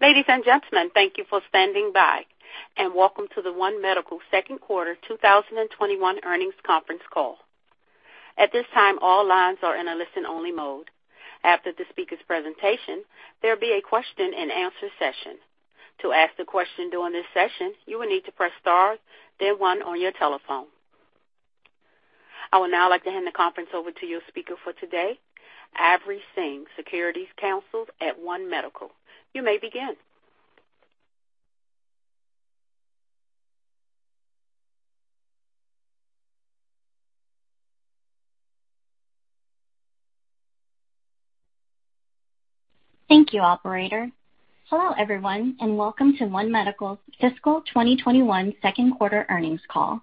Ladies and gentlemen, thank you for standing by, and welcome to the One Medical 2nd quarter 2021 earnings conference call. At this time all lines are in a listen-only mode. After the speakers' presentation, there will be a question-and-answer session. To ask a question during the sessio, you will need to press star then one on your telephone. I would now like to hand the conference over to your speaker for today, Ivy Tseng, securities counsel at One Medical. You may begin. Thank you, operator. Hello, everyone, and welcome to One Medical's fiscal 2021 second quarter earnings call.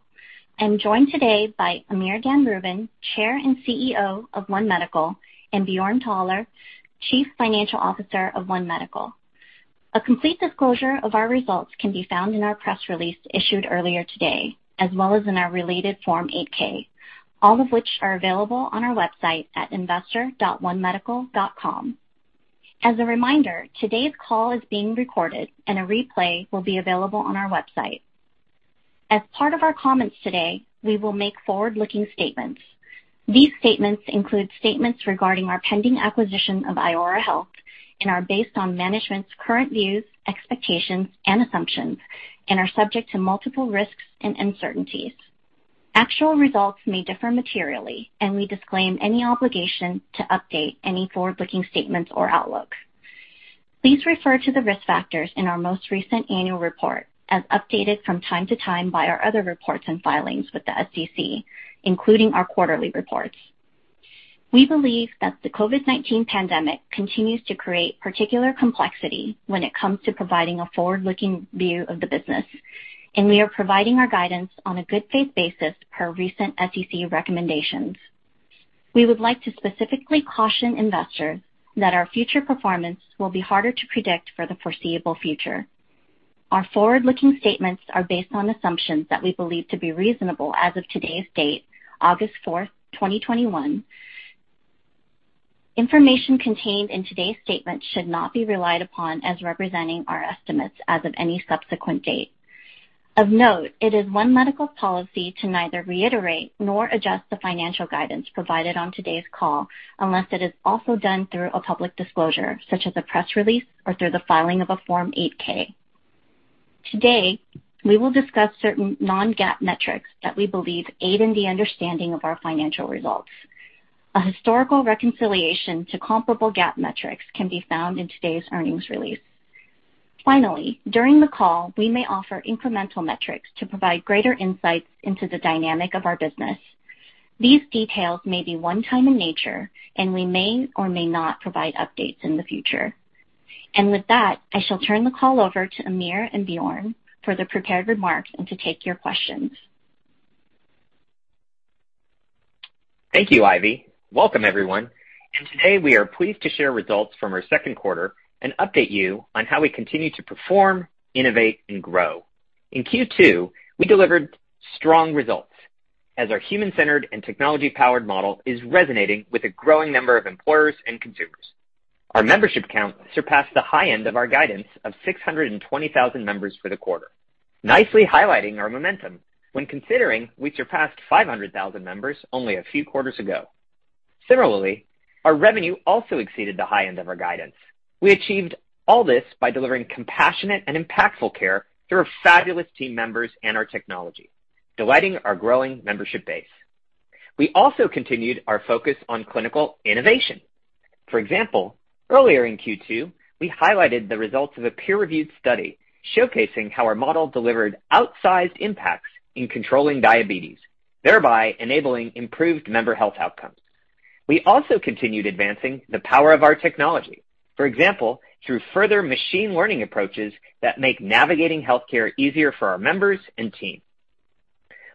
I'm joined today by Amir Dan Rubin, Chair and CEO of One Medical, and Bjorn Thaler, Chief Financial Officer of One Medical. A complete disclosure of our results can be found in our press release issued earlier today, as well as in our related Form 8-K, all of which are available on our website at investor.onemedical.com. As a reminder, today's call is being recorded, and a replay will be available on our website. As part of our comments today, we will make forward-looking statements. These statements include statements regarding our pending acquisition of Iora Health and are based on management's current views, expectations, and assumptions and are subject to multiple risks and uncertainties. We disclaim any obligation to update any forward-looking statements or outlooks. Please refer to the risk factors in our most recent annual report, as updated from time to time by our other reports and filings with the SEC, including our quarterly reports. We believe that the COVID-19 pandemic continues to create particular complexity when it comes to providing a forward-looking view of the business, and we are providing our guidance on a good faith basis per recent SEC recommendations. We would like to specifically caution investors that our future performance will be harder to predict for the foreseeable future. Our forward-looking statements are based on assumptions that we believe to be reasonable as of today's date, August fourth, 2021. Information contained in today's statement should not be relied upon as representing our estimates as of any subsequent date. Of note, it is One Medical's policy to neither reiterate nor adjust the financial guidance provided on today's call unless it is also done through a public disclosure, such as a press release or through the filing of a Form 8-K. Today, we will discuss certain non-GAAP metrics that we believe aid in the understanding of our financial results. A historical reconciliation to comparable GAAP metrics can be found in today's earnings release. Finally, during the call, we may offer incremental metrics to provide greater insights into the dynamic of our business. These details may be one time in nature, and we may or may not provide updates in the future. With that, I shall turn the call over to Amir and Bjorn for the prepared remarks and to take your questions. Thank you, Ivy. Welcome, everyone. Today, we are pleased to share results from our second quarter and update you on how we continue to perform, innovate, and grow. In Q2, we delivered strong results as our human-centered and technology-powered model is resonating with a growing number of employers and consumers. Our membership count surpassed the high end of our guidance of 620,000 members for the quarter, nicely highlighting our momentum when considering we surpassed 500,000 members only a few quarters ago. Similarly, our revenue also exceeded the high end of our guidance. We achieved all this by delivering compassionate and impactful care through our fabulous team members and our technology, delighting our growing membership base. We also continued our focus on clinical innovation. For example, earlier in Q2, we highlighted the results of a peer-reviewed study showcasing how our model delivered outsized impacts in controlling diabetes, thereby enabling improved member health outcomes. We also continued advancing the power of our technology. For example, through further machine learning approaches that make navigating healthcare easier for our members and team.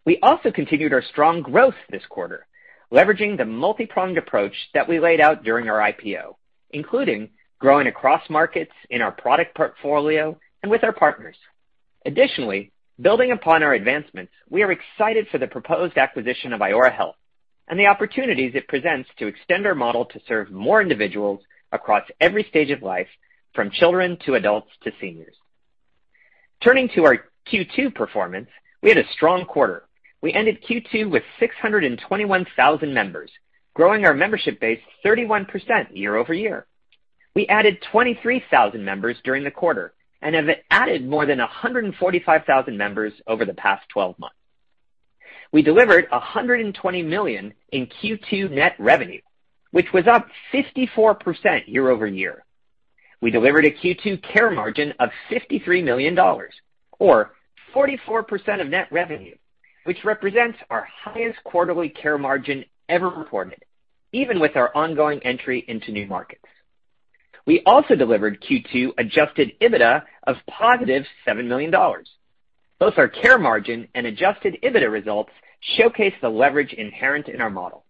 We also continued our strong growth this quarter, leveraging the multi-pronged approach that we laid out during our IPO, including growing across markets in our product portfolio and with our partners. Building upon our advancements, we are excited for the proposed acquisition of Iora Health and the opportunities it presents to extend our model to serve more individuals across every stage of life, from children to adults to seniors. Turning to our Q2 performance, we had a strong quarter. We ended Q2 with 621,000 members, growing our membership base 31% year-over-year. We added 23,000 members during the quarter and have added more than 145,000 members over the past 12 months. We delivered $120 million in Q2 net revenue, which was up 54% year-over-year. We delivered a Q2 care margin of $53 million or 44% of net revenue, which represents our highest quarterly care margin ever reported, even with our ongoing entry into new markets. We also delivered Q2 adjusted EBITDA of positive $7 million. Both our care margin and adjusted EBITDA results showcase the leverage inherent in our model.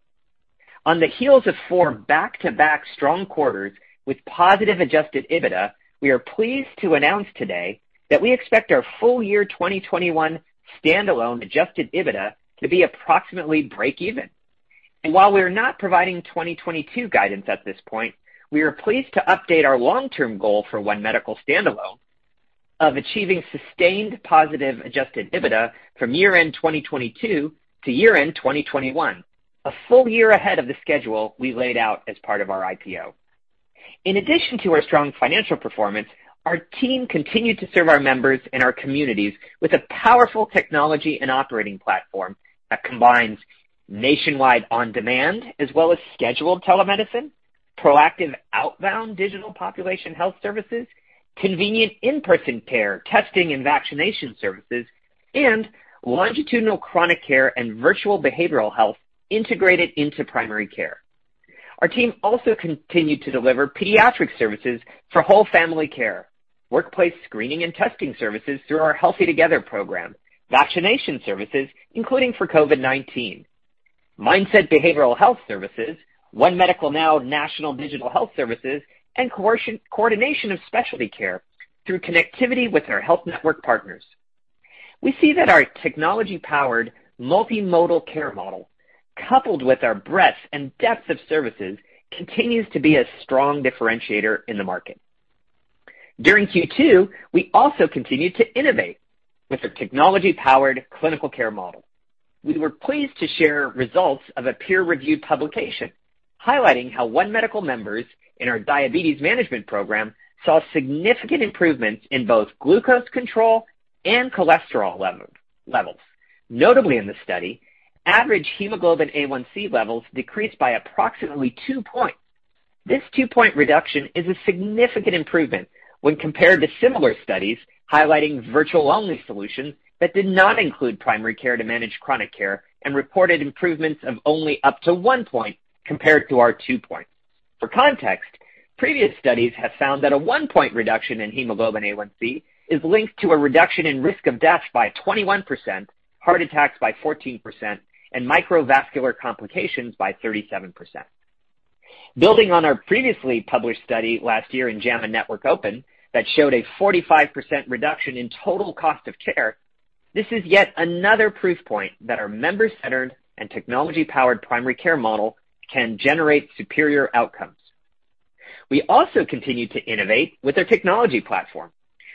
On the heels of four back-to-back strong quarters with positive adjusted EBITDA, we are pleased to announce today that we expect our full year 2021 standalone adjusted EBITDA to be approximately break even. While we are not providing 2022 guidance at this point, we are pleased to update our long-term goal for One Medical standalone of achieving sustained positive adjusted EBITDA from year-end 2022 to year-end 2021, a 1 full year ahead of the schedule we laid out as part of our IPO. In addition to our strong financial performance, our team continued to serve our members and our communities with a powerful technology and operating platform that combines nationwide on-demand as well as scheduled telemedicine, proactive outbound digital population health services, convenient in-person care, testing and vaccination services, and longitudinal chronic care and virtual behavioral health integrated into primary care. Our team also continued to deliver pediatric services for whole family care, workplace screening and testing services through our Healthy Together program, vaccination services, including for COVID-19, Mindset behavioral health services, One Medical Now national digital health services, and coordination of specialty care through connectivity with our health network partners. We see that our technology-powered, multimodal care model, coupled with our breadth and depth of services, continues to be a strong differentiator in the market. During Q2, we also continued to innovate with our technology-powered clinical care model. We were pleased to share results of a peer-reviewed publication highlighting how One Medical members in our diabetes management program saw significant improvements in both glucose control and cholesterol levels. Notably in the study, average hemoglobin A1c levels decreased by approximately two points. This two-point reduction is a significant improvement when compared to similar studies highlighting virtual-only solutions that did not include primary care to manage chronic care and reported improvements of only up to one point compared to our two points. For context, previous studies have found that a one-point reduction in hemoglobin A1c is linked to a reduction in risk of death by 21%, heart attacks by 14%, and microvascular complications by 37%. Building on our previously published study last year in JAMA Network Open that showed a 45% reduction in total cost of care, this is yet another proof point that our member-centered and technology-powered primary care model can generate superior outcomes. We also continued to innovate with our technology platform.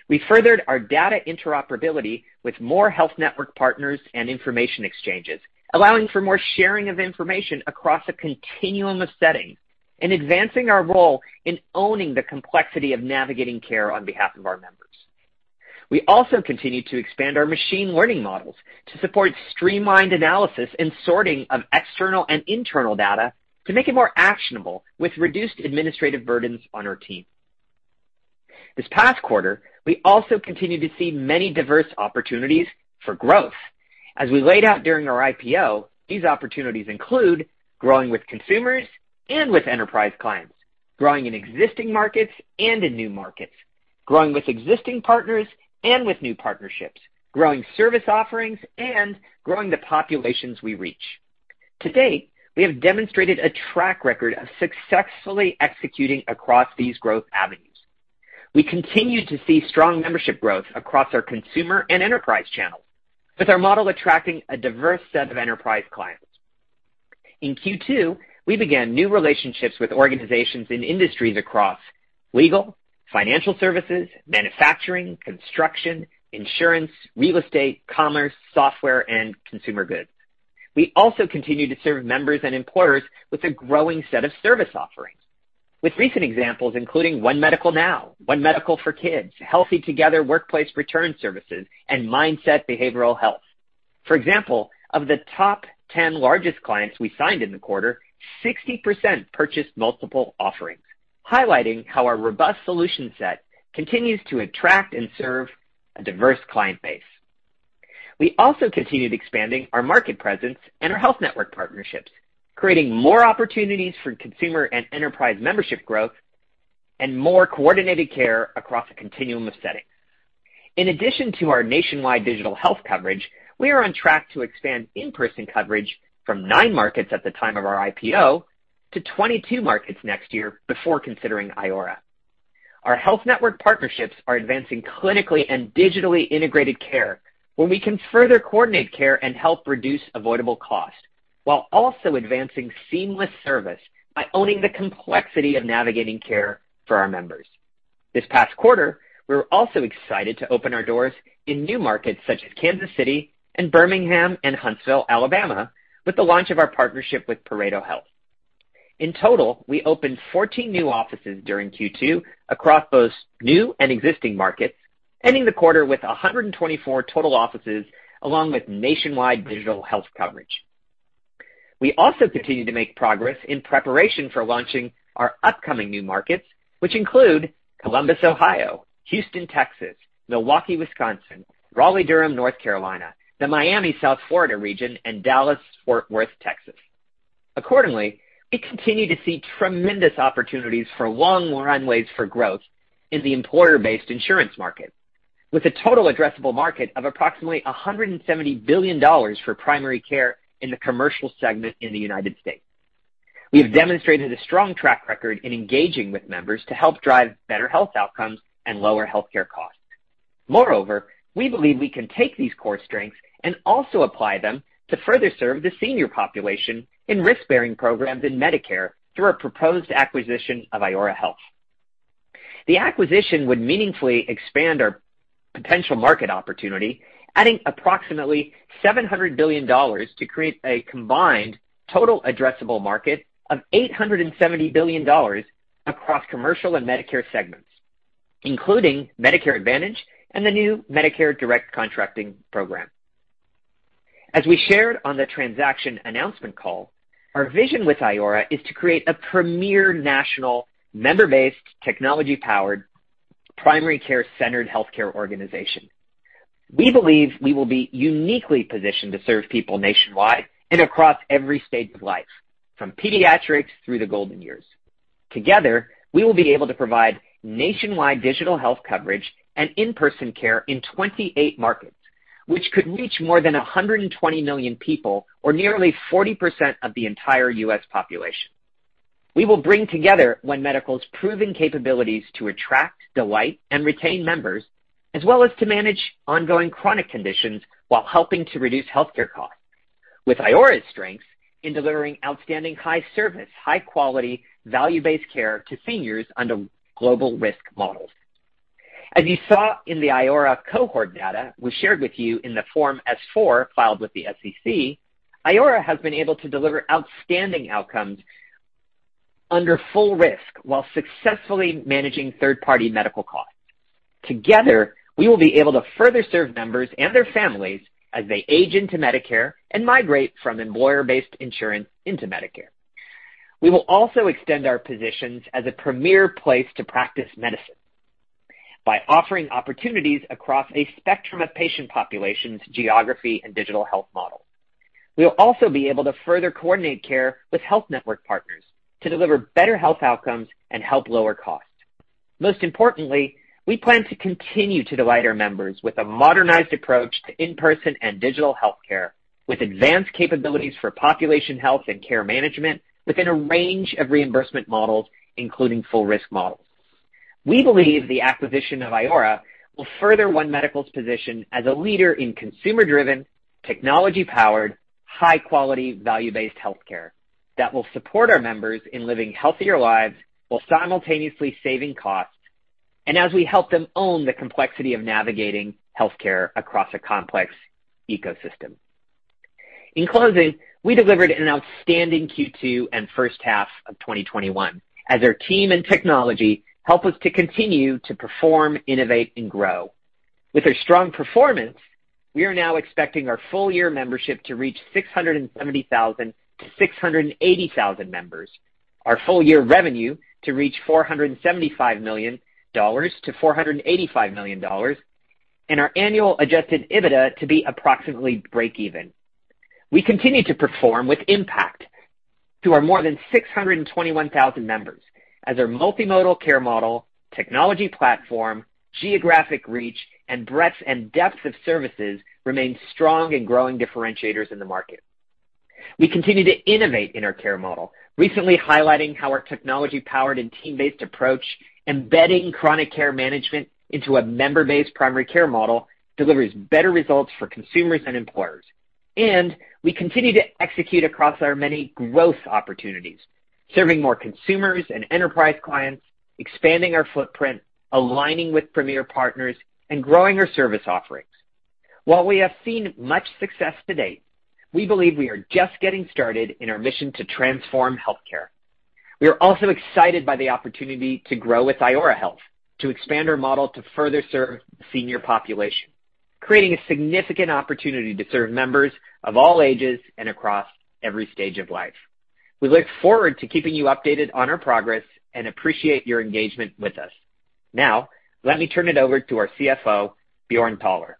We furthered our data interoperability with more health network partners and information exchanges, allowing for more sharing of information across a continuum of settings and advancing our role in owning the complexity of navigating care on behalf of our members. We also continued to expand our machine learning models to support streamlined analysis and sorting of external and internal data to make it more actionable with reduced administrative burdens on our team. This past quarter, we also continued to see many diverse opportunities for growth. As we laid out during our IPO, these opportunities include growing with consumers and with enterprise clients, growing in existing markets and in new markets, growing with existing partners and with new partnerships, growing service offerings, and growing the populations we reach. To date, we have demonstrated a track record of successfully executing across these growth avenues. We continue to see strong membership growth across our consumer and enterprise channels, with our model attracting a diverse set of enterprise clients. In Q2, we began new relationships with organizations in industries across legal, financial services, manufacturing, construction, insurance, real estate, commerce, software, and consumer goods. We also continue to serve members and employers with a growing set of service offerings, with recent examples including One Medical Now, One Medical for Kids, Healthy Together Workplace Return Services, and Mindset Behavioral Health. For example, of the top 10 largest clients we signed in the quarter, 60% purchased multiple offerings, highlighting how our robust solution set continues to attract and serve a diverse client base. We also continued expanding our market presence and our health network partnerships, creating more opportunities for consumer and enterprise membership growth and more coordinated care across a continuum of settings. In addition to our nationwide digital health coverage, we are on track to expand in-person coverage from 9 markets at the time of our IPO to 22 markets next year before considering Iora. Our health network partnerships are advancing clinically and digitally integrated care, where we can further coordinate care and help reduce avoidable costs, while also advancing seamless service by owning the complexity of navigating care for our members. This past quarter, we were also excited to open our doors in new markets such as Kansas City and Birmingham and Huntsville, Alabama, with the launch of our partnership with ParetoHealth. In total, we opened 14 new offices during Q2 across both new and existing markets, ending the quarter with 124 total offices, along with nationwide digital health coverage. We also continue to make progress in preparation for launching our upcoming new markets, which include Columbus, Ohio, Houston, Texas, Milwaukee, Wisconsin, Raleigh-Durham, North Carolina, the Miami South Florida region, and Dallas-Fort Worth, Texas. Accordingly, we continue to see tremendous opportunities for long runways for growth in the employer-based insurance market, with a total addressable market of approximately $170 billion for primary care in the commercial segment in the United States. We have demonstrated a strong track record in engaging with members to help drive better health outcomes and lower healthcare costs. Moreover, we believe we can take these core strengths and also apply them to further serve the senior population in risk-bearing programs in Medicare through our proposed acquisition of Iora Health. The acquisition would meaningfully expand our potential market opportunity, adding approximately $700 billion to create a combined total addressable market of $870 billion across commercial and Medicare segments, including Medicare Advantage and the new Medicare Direct Contracting program. As we shared on the transaction announcement call, our vision with Iora is to create a premier national member-based, technology-powered, primary care centered healthcare organization. We believe we will be uniquely positioned to serve people nationwide and across every stage of life, from pediatrics through the golden years. Together, we will be able to provide nationwide digital health coverage and in-person care in 28 markets, which could reach more than 120 million people, or nearly 40% of the entire U.S. population. We will bring together One Medical's proven capabilities to attract, delight, and retain members, as well as to manage ongoing chronic conditions while helping to reduce healthcare costs. With Iora's strengths in delivering outstanding high service, high quality, value-based care to seniors under global risk models. As you saw in the Iora cohort data we shared with you in the Form S-4 filed with the SEC, Iora has been able to deliver outstanding outcomes under full risk while successfully managing third-party medical costs. Together, we will be able to further serve members and their families as they age into Medicare and migrate from employer-based insurance into Medicare. We will also extend our positions as a premier place to practice medicine by offering opportunities across a spectrum of patient populations, geography, and digital health models. We will also be able to further coordinate care with health network partners to deliver better health outcomes and help lower costs. Most importantly, we plan to continue to delight our members with a modernized approach to in-person and digital healthcare with advanced capabilities for population health and care management within a range of reimbursement models, including full risk models. We believe the acquisition of Iora will further One Medical's position as a leader in consumer-driven, technology-powered, high-quality, value-based healthcare that will support our members in living healthier lives while simultaneously saving costs, and as we help them own the complexity of navigating healthcare across a complex ecosystem. In closing, we delivered an outstanding Q2 and first half of 2021 as our team and technology help us to continue to perform, innovate, and grow. With our strong performance, we are now expecting our full year membership to reach 670,000 members-680,000 members, our full year revenue to reach $475 million-$485 million, and our annual adjusted EBITDA to be approximately break even. We continue to perform with impact to our more than 621,000 members as our multimodal care model, technology platform, geographic reach, and breadth and depth of services remain strong and growing differentiators in the market. We continue to innovate in our care model, recently highlighting how our technology powered and team-based approach, embedding chronic care management into a member-based primary care model, delivers better results for consumers and employers. We continue to execute across our many growth opportunities, serving more consumers and enterprise clients, expanding our footprint, aligning with premier partners, and growing our service offerings. While we have seen much success to date, we believe we are just getting started in our mission to transform healthcare. We are also excited by the opportunity to grow with Iora Health, to expand our model to further serve the senior population, creating a significant opportunity to serve members of all ages and across every stage of life. We look forward to keeping you updated on our progress and appreciate your engagement with us. Let me turn it over to our CFO, Bjorn Thaler.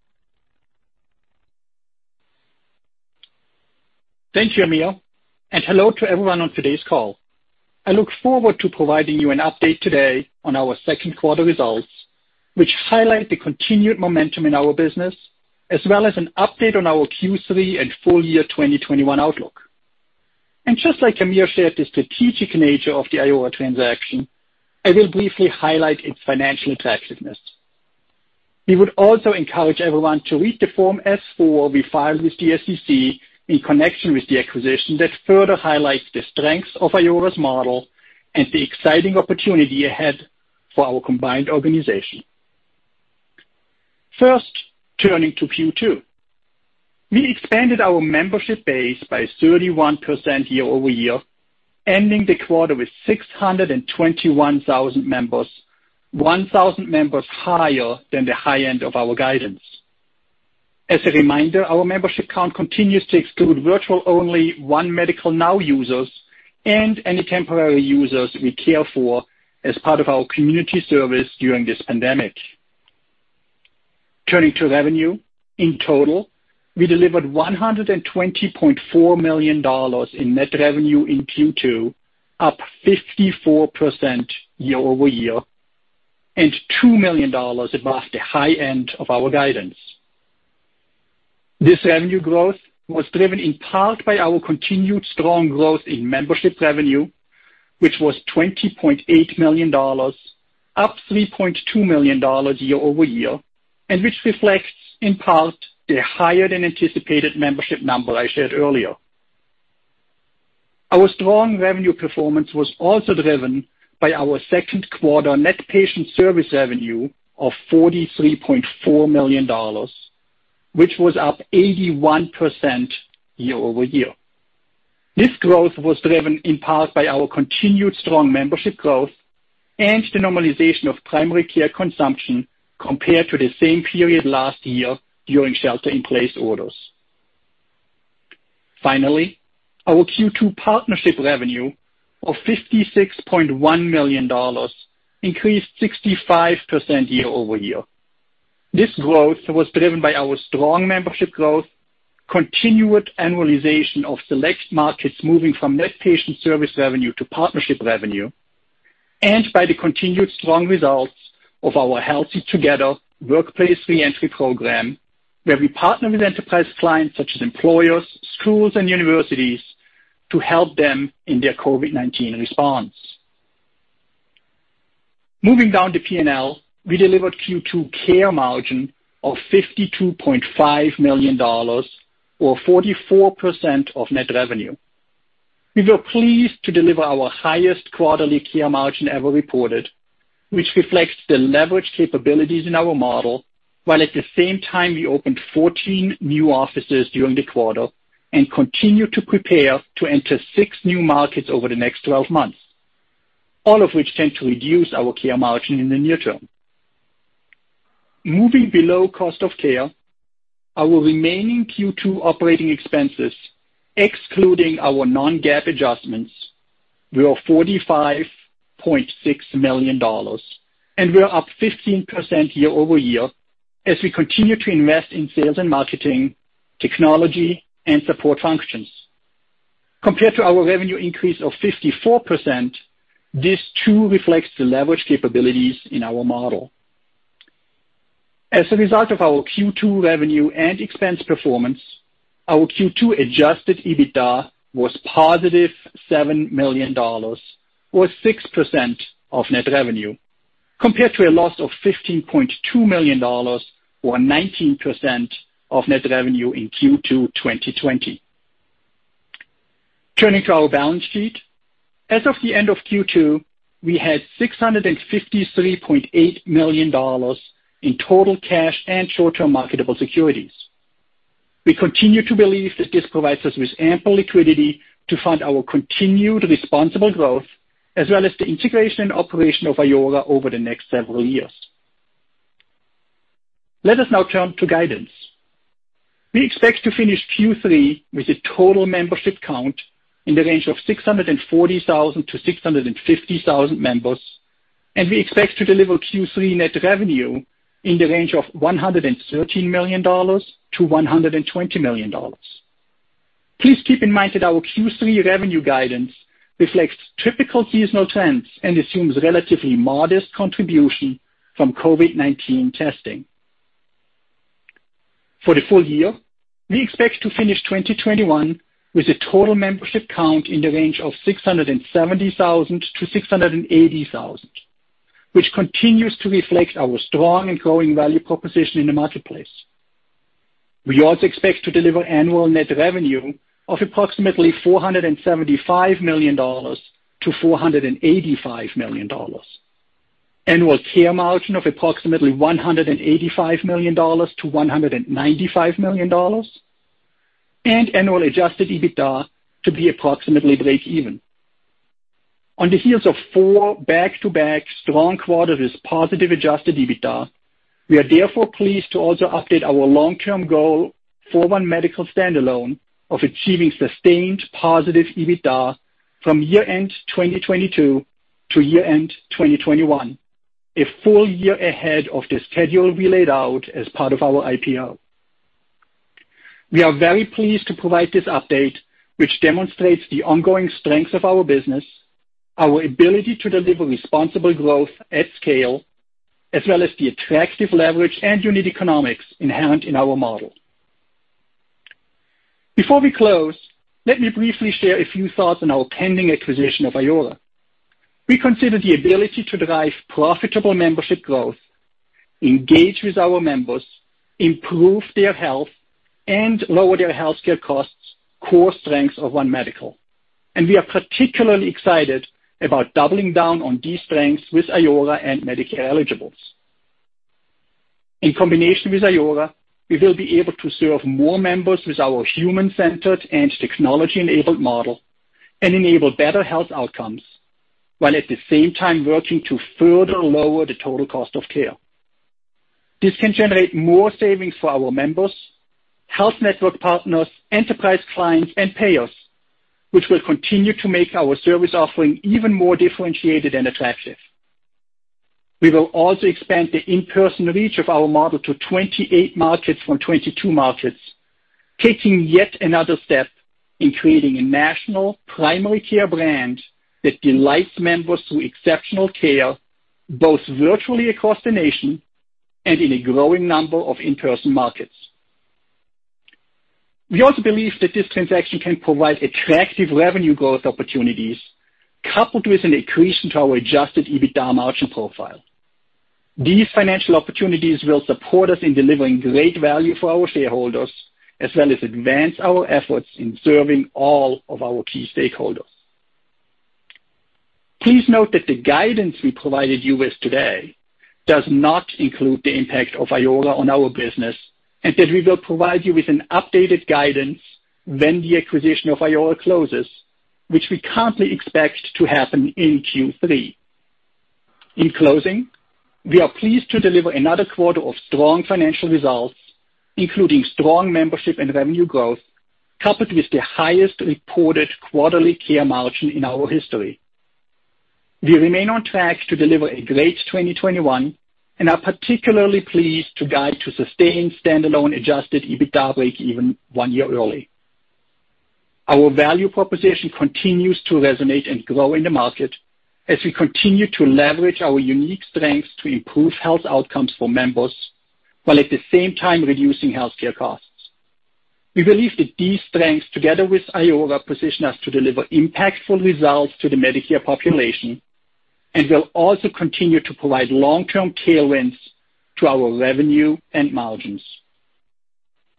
Thank you, Amir, and hello to everyone on today's call. I look forward to providing you an update today on our second quarter results, which highlight the continued momentum in our business, as well as an update on our Q3 and full year 2021 outlook. Just like Amir shared the strategic nature of the Iora transaction, I will briefly highlight its financial attractiveness. We would also encourage everyone to read the Form S-4 we filed with the SEC in connection with the acquisition that further highlights the strengths of Iora's model and the exciting opportunity ahead for our combined organization. First, turning to Q2. We expanded our membership base by 31% year-over-year, ending the quarter with 621,000 members, 1,000 members higher than the high end of our guidance. As a reminder, our membership count continues to exclude virtual only One Medical Now users and any temporary users we care for as part of our community service during this pandemic. Turning to revenue, in total, we delivered $120.4 million in net revenue in Q2, up 54% year-over-year, and $2 million above the high end of our guidance. This revenue growth was driven in part by our continued strong growth in membership revenue, which was $20.8 million, up $3.2 million year-over-year, and which reflects in part the higher than anticipated membership number I shared earlier. Our strong revenue performance was also driven by our second quarter net patient service revenue of $43.4 million, which was up 81% year-over-year. This growth was driven in part by our continued strong membership growth and the normalization of primary care consumption compared to the same period last year during shelter-in-place orders. Finally, our Q2 partnership revenue of $56.1 million increased 65% year-over-year. This growth was driven by our strong membership growth, continued annualization of select markets moving from net patient service revenue to partnership revenue, and by the continued strong results of our Healthy Together workplace reentry program, where we partner with enterprise clients such as employers, schools, and universities to help them in their COVID-19 response. Moving down to P&L, we delivered Q2 care margin of $52.5 million, or 44% of net revenue. We were pleased to deliver our highest quarterly care margin ever reported, which reflects the leverage capabilities in our model, while at the same time, we opened 14 new offices during the quarter and continue to prepare to enter six new markets over the next 12 months, all of which tend to reduce our care margin in the near term. Moving below cost of care, our remaining Q2 operating expenses, excluding our non-GAAP adjustments, were $45.6 million and were up 15% year-over-year as we continue to invest in sales and marketing, technology, and support functions. Compared to our revenue increase of 54%, this too reflects the leverage capabilities in our model. As a result of our Q2 revenue and expense performance, our Q2 adjusted EBITDA was positive $7 million, or 6% of net revenue, compared to a loss of $15.2 million, or 19% of net revenue in Q2 2020. Turning to our balance sheet. As of the end of Q2, we had $653.8 million in total cash and short-term marketable securities. We continue to believe that this provides us with ample liquidity to fund our continued responsible growth, as well as the integration and operation of Iora over the next several years. Let us now turn to guidance. We expect to finish Q3 with a total membership count in the range of 640,000-650,000 members, and we expect to deliver Q3 net revenue in the range of $113 million-$120 million. Please keep in mind that our Q3 revenue guidance reflects typical seasonal trends and assumes relatively modest contribution from COVID-19 testing. For the full year, we expect to finish 2021 with a total membership count in the range of 670,000-680,000, which continues to reflect our strong and growing value proposition in the marketplace. We also expect to deliver annual net revenue of approximately $475 million-$485 million, annual care margin of approximately $185 million-$195 million, and annual adjusted EBITDA to be approximately breakeven. On the heels of four back-to-back strong quarters with positive adjusted EBITDA, we are therefore pleased to also update our long-term goal for One Medical standalone of achieving sustained positive EBITDA from year-end 2022 to year-end 2021, a full year ahead of the schedule we laid out as part of our IPO. We are very pleased to provide this update, which demonstrates the ongoing strength of our business, our ability to deliver responsible growth at scale, as well as the attractive leverage and unit economics inherent in our model. Before we close, let me briefly share a few thoughts on our pending acquisition of Iora. We consider the ability to drive profitable membership growth, engage with our members, improve their health, and lower their healthcare costs core strengths of One Medical, and we are particularly excited about doubling down on these strengths with Iora and Medicare eligibles. In combination with Iora, we will be able to serve more members with our human-centered and technology-enabled model and enable better health outcomes, while at the same time working to further lower the total cost of care. This can generate more savings for our members, health network partners, enterprise clients, and payers, which will continue to make our service offering even more differentiated and attractive. We will also expand the in-person reach of our model to 28 markets from 22 markets, taking yet another step in creating a national primary care brand that delights members through exceptional care both virtually across the nation and in a growing number of in-person markets. We also believe that this transaction can provide attractive revenue growth opportunities, coupled with an increase into our adjusted EBITDA margin profile. These financial opportunities will support us in delivering great value for our shareholders, as well as advance our efforts in serving all of our key stakeholders. Please note that the guidance we provided you with today does not include the impact of Iora on our business, and that we will provide you with an updated guidance when the acquisition of Iora closes, which we currently expect to happen in Q3. In closing, we are pleased to deliver another quarter of strong financial results, including strong membership and revenue growth, coupled with the highest reported quarterly care margin in our history. We remain on track to deliver a great 2021, and are particularly pleased to guide to sustained standalone adjusted EBITDA breakeven one year early. Our value proposition continues to resonate and grow in the market as we continue to leverage our unique strengths to improve health outcomes for members, while at the same time reducing healthcare costs. We believe that these strengths, together with Iora, position us to deliver impactful results to the Medicare population and will also continue to provide long-term tailwinds to our revenue and margins.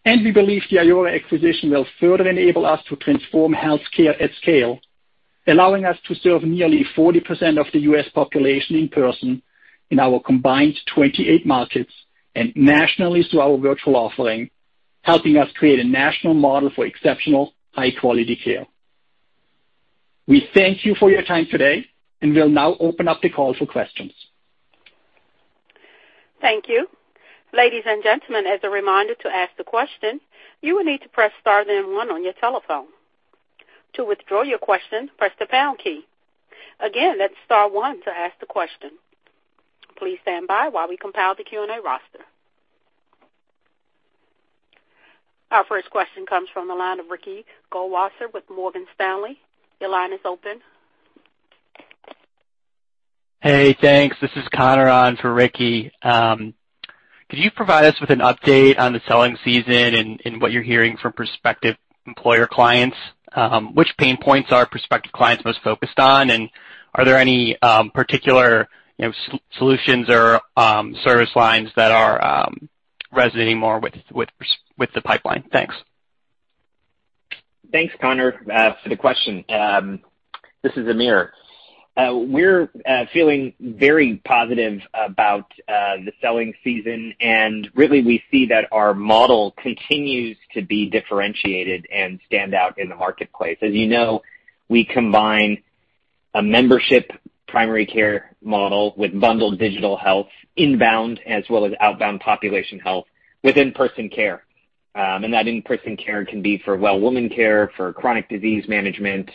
We believe the Iora acquisition will further enable us to transform healthcare at scale, allowing us to serve nearly 40% of the U.S. population in person in our combined 28 markets and nationally through our virtual offering, helping us create a national model for exceptional high-quality care. We thank you for your time today and will now open up the call for questions. Thank you. Ladies and Gentlemen, as a reminder, to ask a question you will need to press star then one on your telephone. To withdraw your question press the pound key. Again, press star one to ask a question. Please stand by while we compile the Q&A roster. Our first question comes from the line of Ricky Goldwasser with Morgan Stanley. Your line is open. Hey, thanks. This is Connor on for Ricky. Could you provide us with an update on the selling season and what you're hearing from prospective employer clients? Which pain points are prospective clients most focused on, and are there any particular solutions or service lines that are resonating more with the pipeline? Thanks. Thanks, Connor, for the question. This is Amir. We're feeling very positive about the selling season, really we see that our model continues to be differentiated and stand out in the marketplace. As you know, we combine a membership primary care model with bundled digital health inbound as well as outbound population health with in-person care. That in-person care can be for well-woman care, for chronic disease management,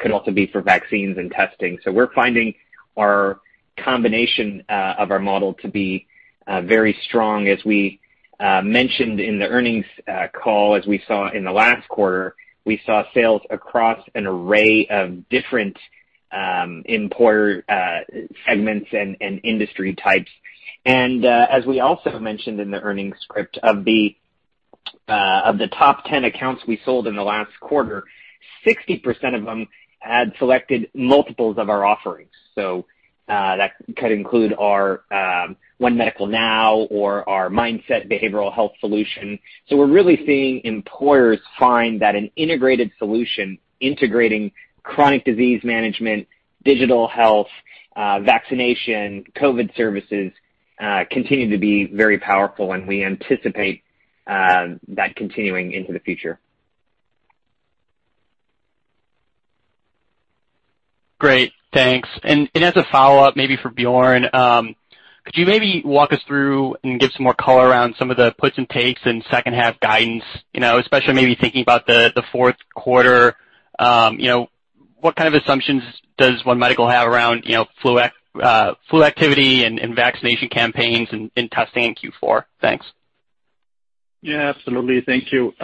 could also be for vaccines and testing. We're finding our combination of our model to be very strong. As we mentioned in the earnings call, as we saw in the last quarter, we saw sales across an array of different employer segments and industry types. As we also mentioned in the earnings script, of the top 10 accounts we sold in the last quarter, 60% of them had selected multiples of our offerings. That could include our One Medical Now or our Mindset behavioral health solution. We're really seeing employers find that an integrated solution integrating chronic disease management, digital health, vaccination, COVID services, continue to be very powerful, and we anticipate that continuing into the future. Great, thanks. As a follow-up, maybe for Bjorn, could you maybe walk us through and give some more color around some of the puts and takes in second half guidance, especially maybe thinking about the fourth quarter. What kind of assumptions does One Medical have around flu activity and vaccination campaigns and testing in Q4? Thanks. Yeah, absolutely. Thank you.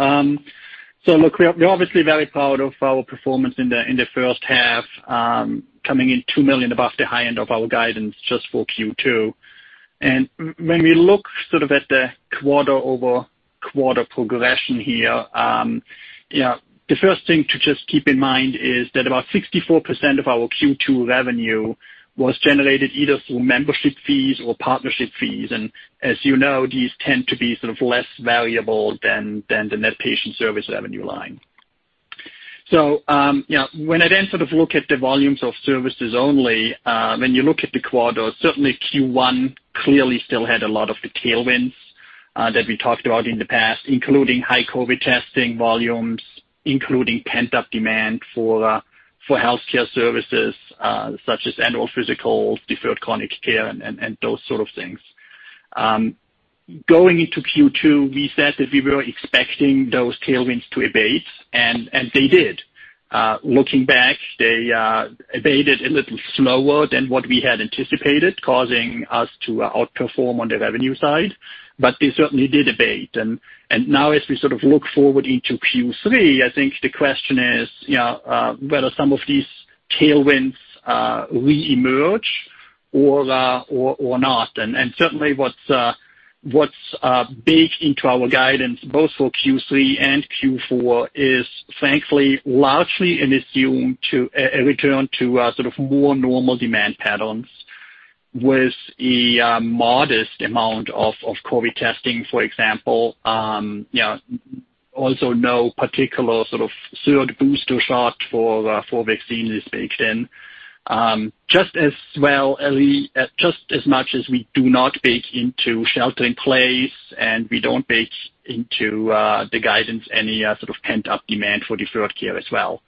Look, we're obviously very proud of our performance in the first half, coming in $2 million above the high end of our guidance just for Q2. When we look sort of at the quarter-over-quarter progression here, the first thing to just keep in mind is that about 64% of our Q2 revenue was generated either through membership fees or partnership fees. As you know, these tend to be sort of less valuable than the net patient service revenue line. When I then sort of look at the volumes of services only, when you look at the quarters, certainly Q1 clearly still had a lot of the tailwinds that we talked about in the past, including high COVID-19 testing volumes, including pent-up demand for healthcare services such as annual physicals, deferred chronic care, and those sort of things. Going into Q2, we said that we were expecting those tailwinds to abate. They did. Looking back, they abated a little slower than what we had anticipated, causing us to outperform on the revenue side. They certainly did abate. Now as we sort of look forward into Q3, I think the question is whether some of these tailwinds reemerge or not. Certainly what's baked into our guidance both for Q3 and Q4 is frankly largely an assumed return to sort of more normal demand patterns with a modest amount of COVID-19 testing, for example. Also, no particular sort of third booster shot for vaccine is baked in. Just as much as we do not bake into shelter in place, we don't bake into the guidance any sort of pent-up demand for deferred care as well.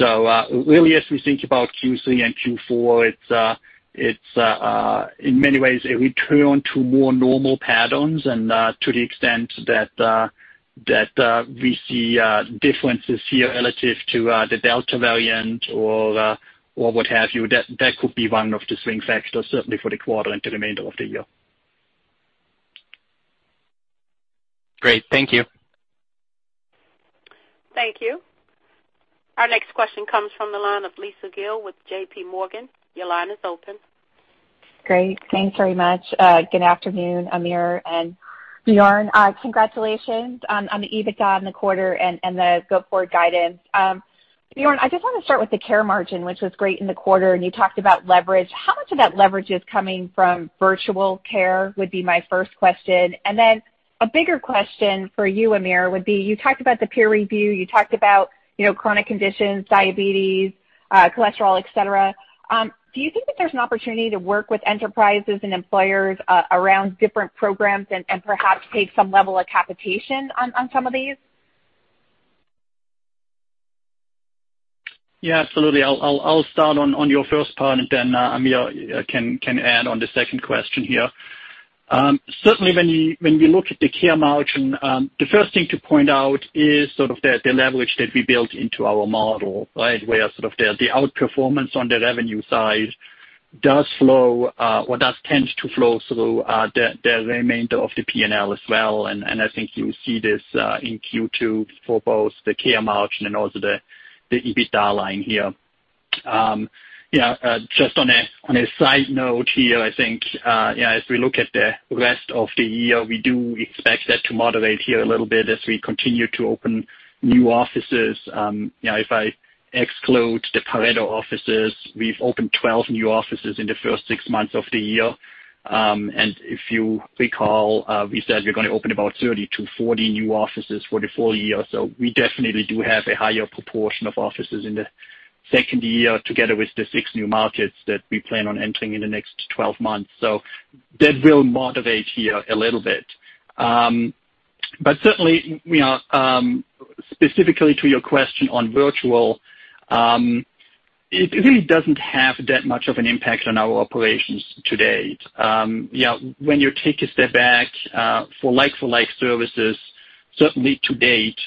Really as we think about Q3 and Q4, it's in many ways a return to more normal patterns and to the extent that we see differences here relative to the Delta variant or what have you, that could be one of the swing factors certainly for the quarter and to the remainder of the year. Great. Thank you. Thank you. Our next question comes from the line of Lisa Gill with JPMorgan. Your line is open. Great, thanks very much. Good afternoon, Amir and Bjorn. Congratulations on the EBITDA in the quarter and the go-forward guidance. Bjorn, I just want to start with the care margin, which was great in the quarter, and you talked about leverage. How much of that leverage is coming from virtual care, would be my first question. Then a bigger question for you, Amir, would be, you talked about the peer review, you talked about chronic conditions, diabetes, cholesterol, et cetera. Do you think that there's an opportunity to work with enterprises and employers around different programs and perhaps take some level of capitation on some of these? Yeah, absolutely. I'll start on your first part, and then Amir can add on the second question here. Certainly when we look at the care margin, the first thing to point out is sort of the leverage that we built into our model, right, where sort of the outperformance on the revenue side does flow or does tend to flow through the remainder of the P&L as well. I think you see this in Q2 for both the care margin and also the EBITDA line here. Just on a side note here, I think as we look at the rest of the year, we do expect that to moderate here a little bit as we continue to open new offices. If I exclude the Pareto offices, we've opened 12 new offices in the first six months of the year. If you recall, we said we're going to open about 30-40 new offices for the full year. We definitely do have a higher proportion of offices in the second year together with the six new markets that we plan on entering in the next 12 months. That will moderate here a little bit. Certainly, specifically to your question on virtual, it really doesn't have that much of an impact on our operations to date. When you take a step back, for like-for-like services, certainly to date,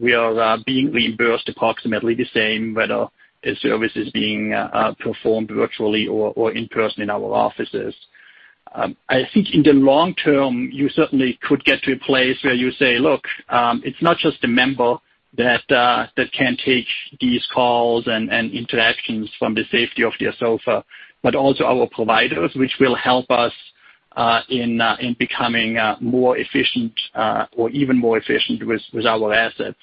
we are being reimbursed approximately the same, whether a service is being performed virtually or in person in our offices. I think in the long term, you certainly could get to a place where you say, look, it's not just a member that can take these calls and interactions from the safety of their sofa, but also our providers, which will help us in becoming more efficient or even more efficient with our assets,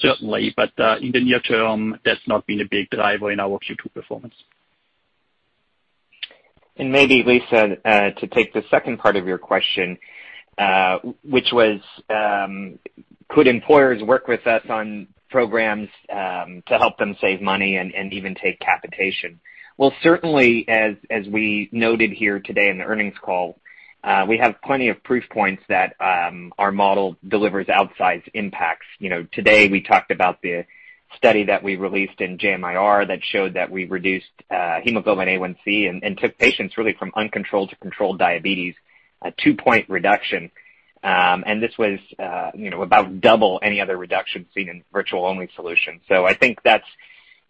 certainly. In the near term, that's not been a big driver in our Q2 performance. Maybe, Lisa, to take the second part of your question, which was, could employers work with us on programs to help them save money and even take capitation? Certainly, as we noted here today in the earnings call, we have plenty of proof points that our model delivers outsized impacts. Today we talked about the study that we released in JMIR that showed that we reduced hemoglobin A1C and took patients really from uncontrolled to controlled diabetes, a two-point reduction. This was about double any other reduction seen in virtual-only solutions. I think that's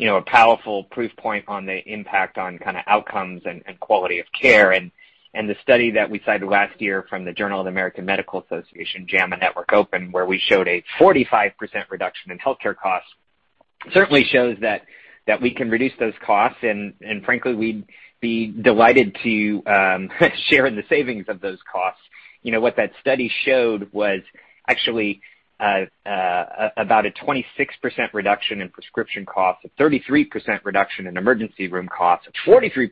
a powerful proof point on the impact on kind of outcomes and quality of care. The study that we cited last year from the "Journal of American Medical Association," JAMA Network Open, where we showed a 45% reduction in healthcare costs, certainly shows that we can reduce those costs, and frankly, we'd be delighted to share in the savings of those costs. What that study showed was actually about a 26% reduction in prescription costs, a 33% reduction in emergency room costs, a 43%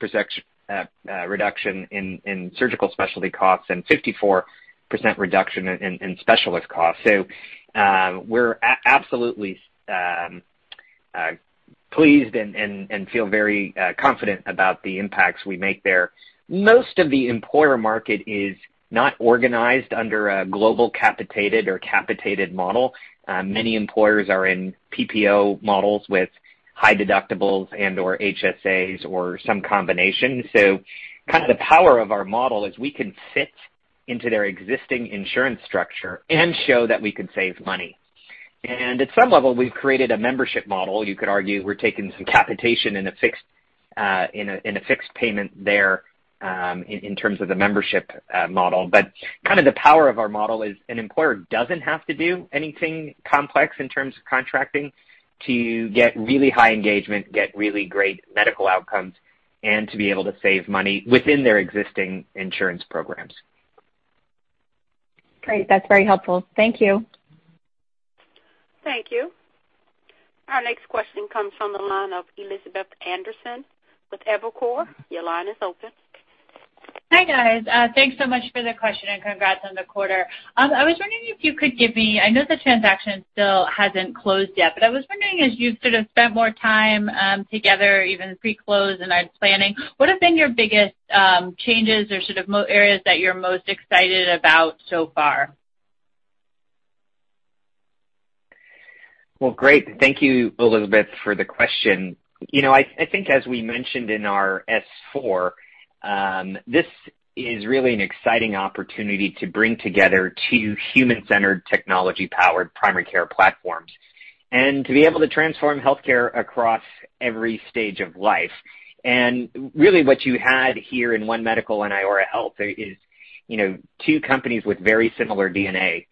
reduction in surgical specialty costs, and 54% reduction in specialist costs. We're absolutely pleased and feel very confident about the impacts we make there. Most of the employer market is not organized under a global capitated or capitated model. Many employers are in PPO models with high deductibles and/or HSAs or some combination. Kind of the power of our model is we can fit into their existing insurance structure and show that we can save money. At some level, we've created a membership model. You could argue we're taking some capitation in a fixed payment there in terms of the membership model. Kind of the power of our model is an employer doesn't have to do anything complex in terms of contracting to get really high engagement, get really great medical outcomes, and to be able to save money within their existing insurance programs. Great. That's very helpful. Thank you. Thank you. Our next question comes from the line of Elizabeth Anderson with Evercore. Your line is open. Hi, guys. Thanks so much for the question and congrats on the quarter. I was wondering if you could give me, I know the transaction still hasn't closed yet, but I was wondering, as you sort of spent more time together, even pre-close and are planning, what have been your biggest changes or areas that you're most excited about so far? Well, great. Thank you, Elizabeth, for the question. I think as we mentioned in our S-4, this is really an exciting opportunity to bring together two human-centered, technology-powered primary care platforms and to be able to transform healthcare across every stage of life. Really what you had here in One Medical and Iora Health is two companies with very similar DNA: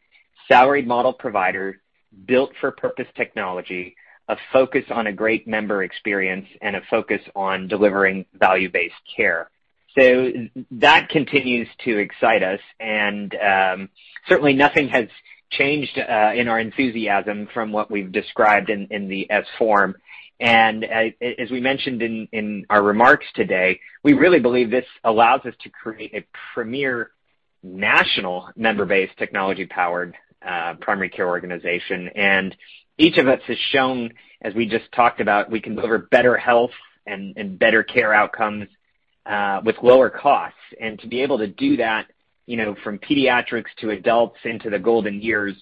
salaried model provider, built-for-purpose technology, a focus on a great member experience, and a focus on delivering value-based care. That continues to excite us, and certainly nothing has changed in our enthusiasm from what we've described in the S form. As we mentioned in our remarks today, we really believe this allows us to create a premier national member-based, technology-powered primary care organization. Each of us has shown, as we just talked about, we can deliver better health and better care outcomes with lower costs. To be able to do that from pediatrics to adults into the golden years,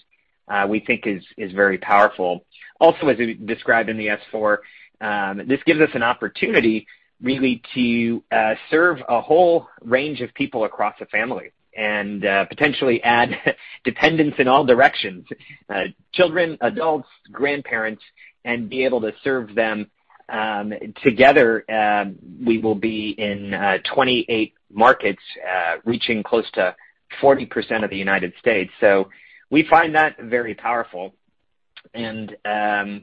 we think is very powerful. As we described in the S4, this gives us an opportunity really to serve a whole range of people across a family and potentially add dependents in all directions: children, adults, grandparents, and be able to serve them together. We will be in 28 markets, reaching close to 40% of the United States. We find that very powerful. That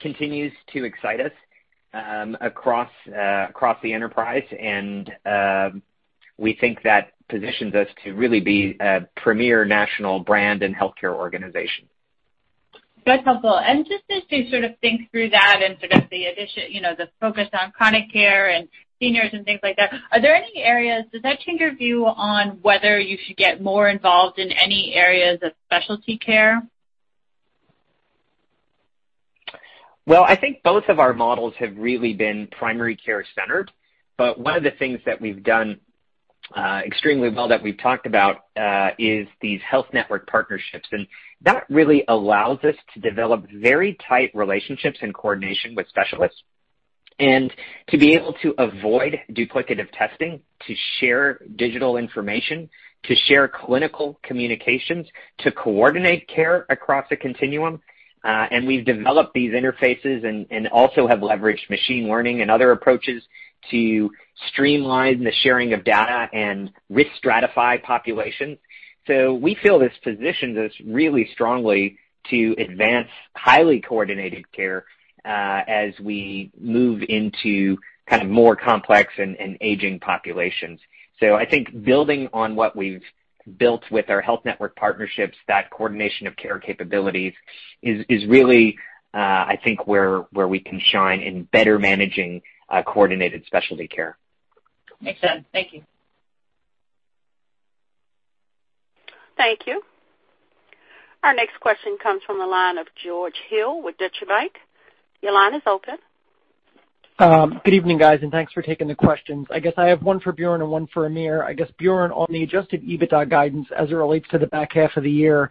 continues to excite us across the enterprise, and we think that positions us to really be a premier national brand and healthcare organization. That's helpful. Just as you sort of think through that and sort of the addition, the focus on chronic care and seniors and things like that, are there any areas, does that change your view on whether you should get more involved in any areas of specialty care? Well, I think both of our models have really been primary care centered. One of the things that we've done extremely well that we've talked about is these health network partnerships. That really allows us to develop very tight relationships and coordination with specialists, and to be able to avoid duplicative testing, to share digital information, to share clinical communications, to coordinate care across a continuum. We've developed these interfaces and also have leveraged machine learning and other approaches to streamline the sharing of data and risk stratify populations. We feel this positions us really strongly to advance highly coordinated care as we move into more complex and aging populations. I think building on what we've built with our health network partnerships, that coordination of care capabilities is really I think where we can shine in better managing coordinated specialty care. Makes sense. Thank you. Thank you. Our next question comes from the line of George Hill with Deutsche Bank. Your line is open. Good evening, guys. Thanks for taking the questions. I guess I have one for Bjorn and one for Amir. I guess, Bjorn, on the adjusted EBITDA guidance as it relates to the back half of the year,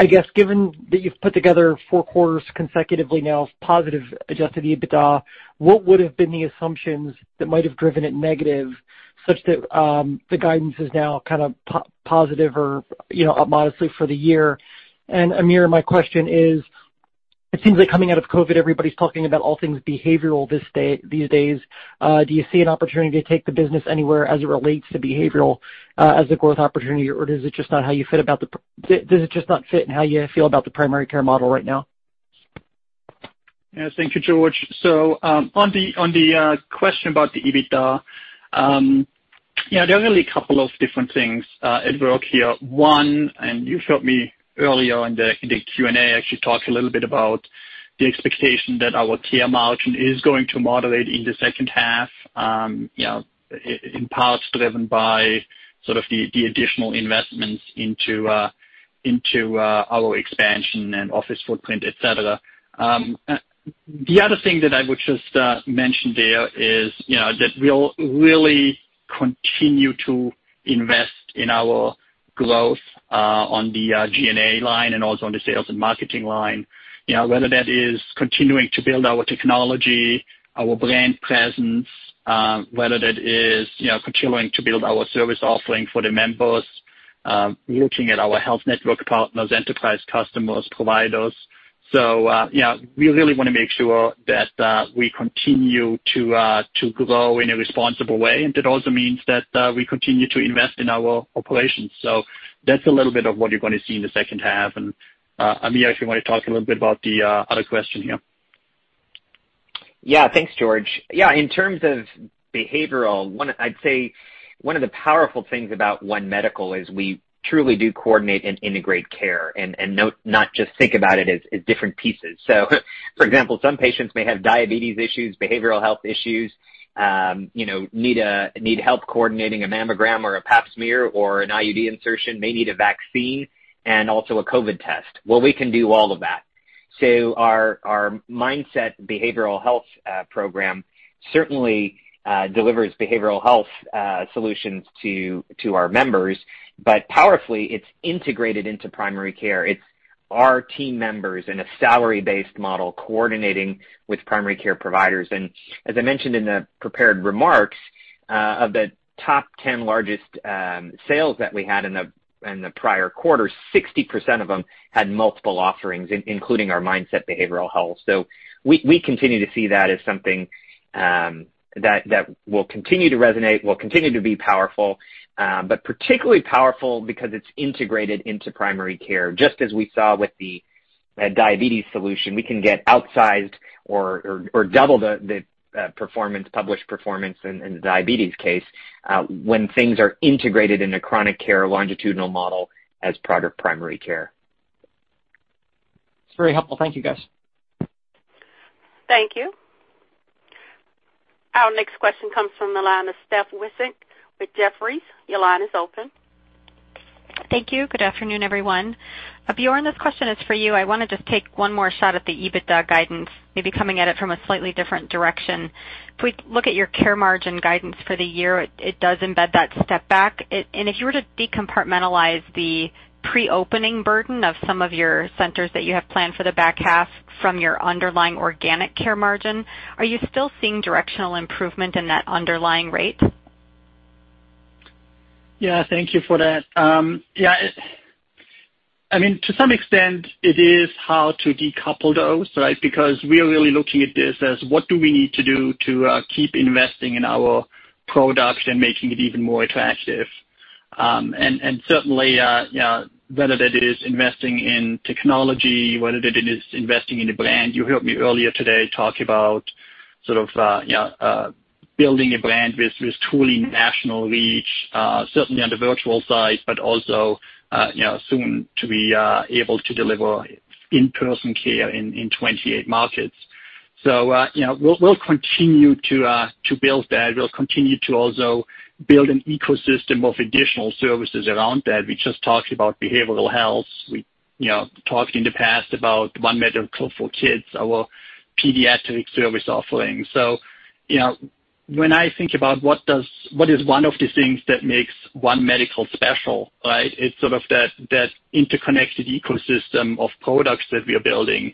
I guess given that you've put together four quarters consecutively now of positive adjusted EBITDA, what would've been the assumptions that might have driven it negative such that the guidance is now kind of positive or modestly for the year? Amir, my question is, it seems like coming out of COVID-19, everybody's talking about all things behavioral these days. Do you see an opportunity to take the business anywhere as it relates to behavioral as a growth opportunity, or does it just not fit in how you feel about the primary care model right now? Yes. Thank you, George. On the question about the EBITDA, there are really two different things at work here. One, you've heard me earlier in the Q&A actually talk a little bit about the expectation that our care margin is going to moderate in the 2nd half, in part driven by the additional investments into our expansion and office footprint, et cetera. The other thing that I would just mention there is that we'll really continue to invest in our growth on the G&A line and also on the sales and marketing line. Whether that is continuing to build our technology, our brand presence, whether that is continuing to build our service offering for the members, looking at our health network partners, enterprise customers, providers. We really want to make sure that we continue to grow in a responsible way, and that also means that we continue to invest in our operations. That's a little bit of what you're going to see in the second half. Amir, if you want to talk a little bit about the other question here. Yeah. Thanks, George. In terms of behavioral, I'd say one of the powerful things about One Medical is we truly do coordinate and integrate care and not just think about it as different pieces. For example, some patients may have diabetes issues, behavioral health issues, need help coordinating a mammogram or a Pap smear or an IUD insertion, may need a vaccine, and also a COVID test. Well, we can do all of that. Our Mindset behavioral health program certainly delivers behavioral health solutions to our members. Powerfully, it's integrated into primary care. It's our team members in a salary-based model coordinating with primary care providers. As I mentioned in the prepared remarks, of the top 10 largest sales that we had in the prior quarter, 60% of them had multiple offerings, including our Mindset behavioral health. We continue to see that as something that will continue to resonate, will continue to be powerful, but particularly powerful because it's integrated into primary care. Just as we saw with the diabetes solution, we can get outsized or double the published performance in the diabetes case when things are integrated in a chronic care longitudinal model as part of primary care. It's very helpful. Thank you, guys. Thank you. Our next question comes from the line of Steph Wissink with Jefferies. Your line is open. Thank you. Good afternoon, everyone. Bjorn, this question is for you. I want to just take one more shot at the EBITDA guidance, maybe coming at it from a slightly different direction. If we look at your care margin guidance for the year, it does embed that step back. If you were to decompartmentalize the pre-opening burden of some of your centers that you have planned for the back half from your underlying organic care margin, are you still seeing directional improvement in that underlying rate? Thank you for that. To some extent, it is how to decouple those, right? We are really looking at this as what do we need to do to keep investing in our product and making it even more attractive. Certainly, whether that is investing in technology, whether that it is investing in the brand, you heard me earlier today talk about sort of building a brand with truly national reach, certainly on the virtual side, but also soon to be able to deliver in-person care in 28 markets. We'll continue to build that. We'll continue to also build an ecosystem of additional services around that. We just talked about behavioral health. We talked in the past about One Medical for Kids, our pediatric service offering. When I think about what is one of the things that makes One Medical special, right? It's sort of that interconnected ecosystem of products that we are building.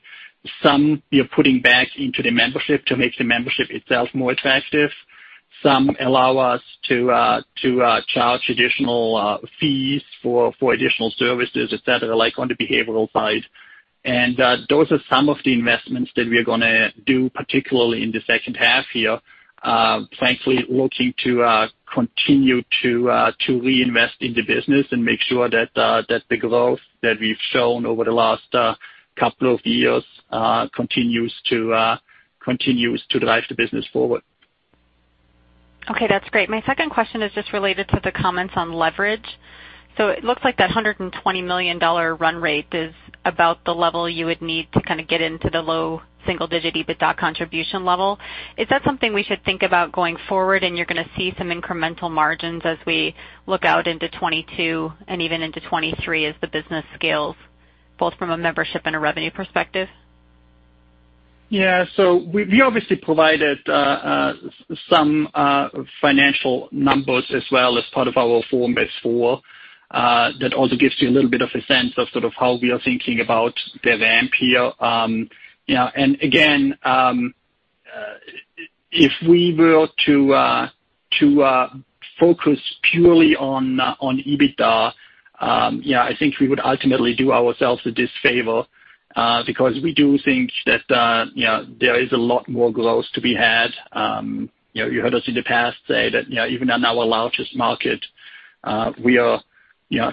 Some we are putting back into the membership to make the membership itself more attractive. Some allow us to charge additional fees for additional services, et cetera, like on the behavioral side. Those are some of the investments that we are going to do, particularly in the second half here. Frankly, looking to continue to reinvest in the business and make sure that the growth that we've shown over the last two years continues to drive the business forward. Okay. That's great. My second question is just related to the comments on leverage. It looks like that $120 million run rate is about the level you would need to kind of get into the low single-digit EBITDA contribution level. Is that something we should think about going forward and you're going to see some incremental margins as we look out into 2022 and even into 2023 as the business scales, both from a membership and a revenue perspective? Yeah. We obviously provided some financial numbers as well as part of our Form S-4. That also gives you a little bit of a sense of sort of how we are thinking about the ramp here. Again, if we were to focus purely on EBITDA, I think we would ultimately do ourselves a disfavor, because we do think that there is a lot more growth to be had. You heard us in the past say that even in our largest market, we are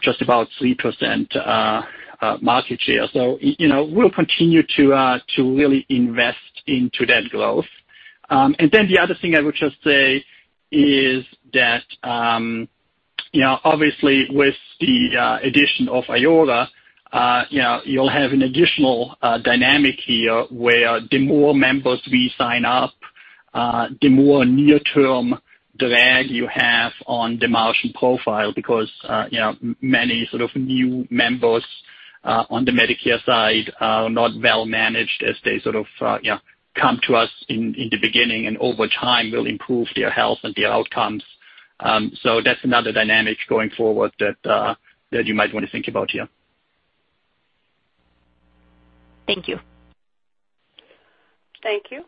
just about 3% market share. We'll continue to really invest into that growth. The other thing I would just say is that, obviously with the addition of Iora, you'll have an additional dynamic here where the more members we sign up, the more near-term drag you have on the margin profile because many sort of new members on the Medicare side are not well managed as they sort of come to us in the beginning and over time will improve their health and their outcomes. That's another dynamic going forward that you might want to think about here. Thank you. Thank you.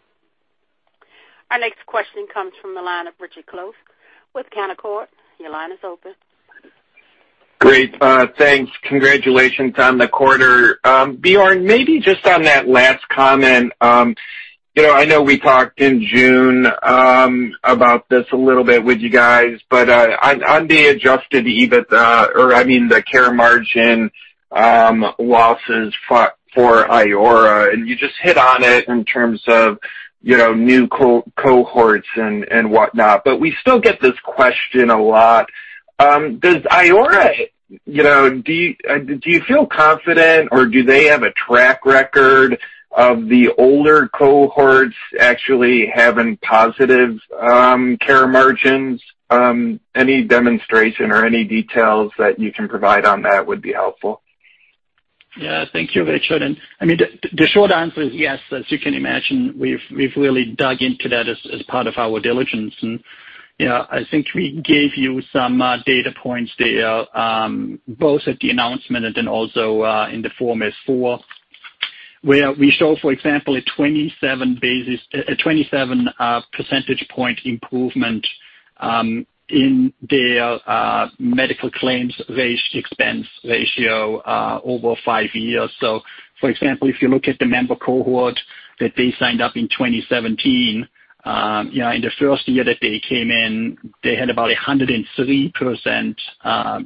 Our next question comes from the line of Richard Close with Canaccord. Your line is open. Great. Thanks. Congratulations on the quarter. Bjorn, maybe just on that last comment. I know we talked in June about this a little bit with you guys, but on the adjusted EBITDA, or I mean the care margin losses for Iora, and you just hit on it in terms of new cohorts and whatnot. We still get this question a lot. Do you feel confident, or do they have a track record of the older cohorts actually having positive care margins? Any demonstration or any details that you can provide on that would be helpful. Thank you, Richard. The short answer is yes. As you can imagine, we've really dug into that as part of our diligence. I think we gave you some data points there, both at the announcement and then also in the Form S-4, where we show, for example, a 27 percentage point improvement in their medical claims expense ratio over five years. For example, if you look at the member cohort that they signed up in 2017, in the first year that they came in, they had about 103%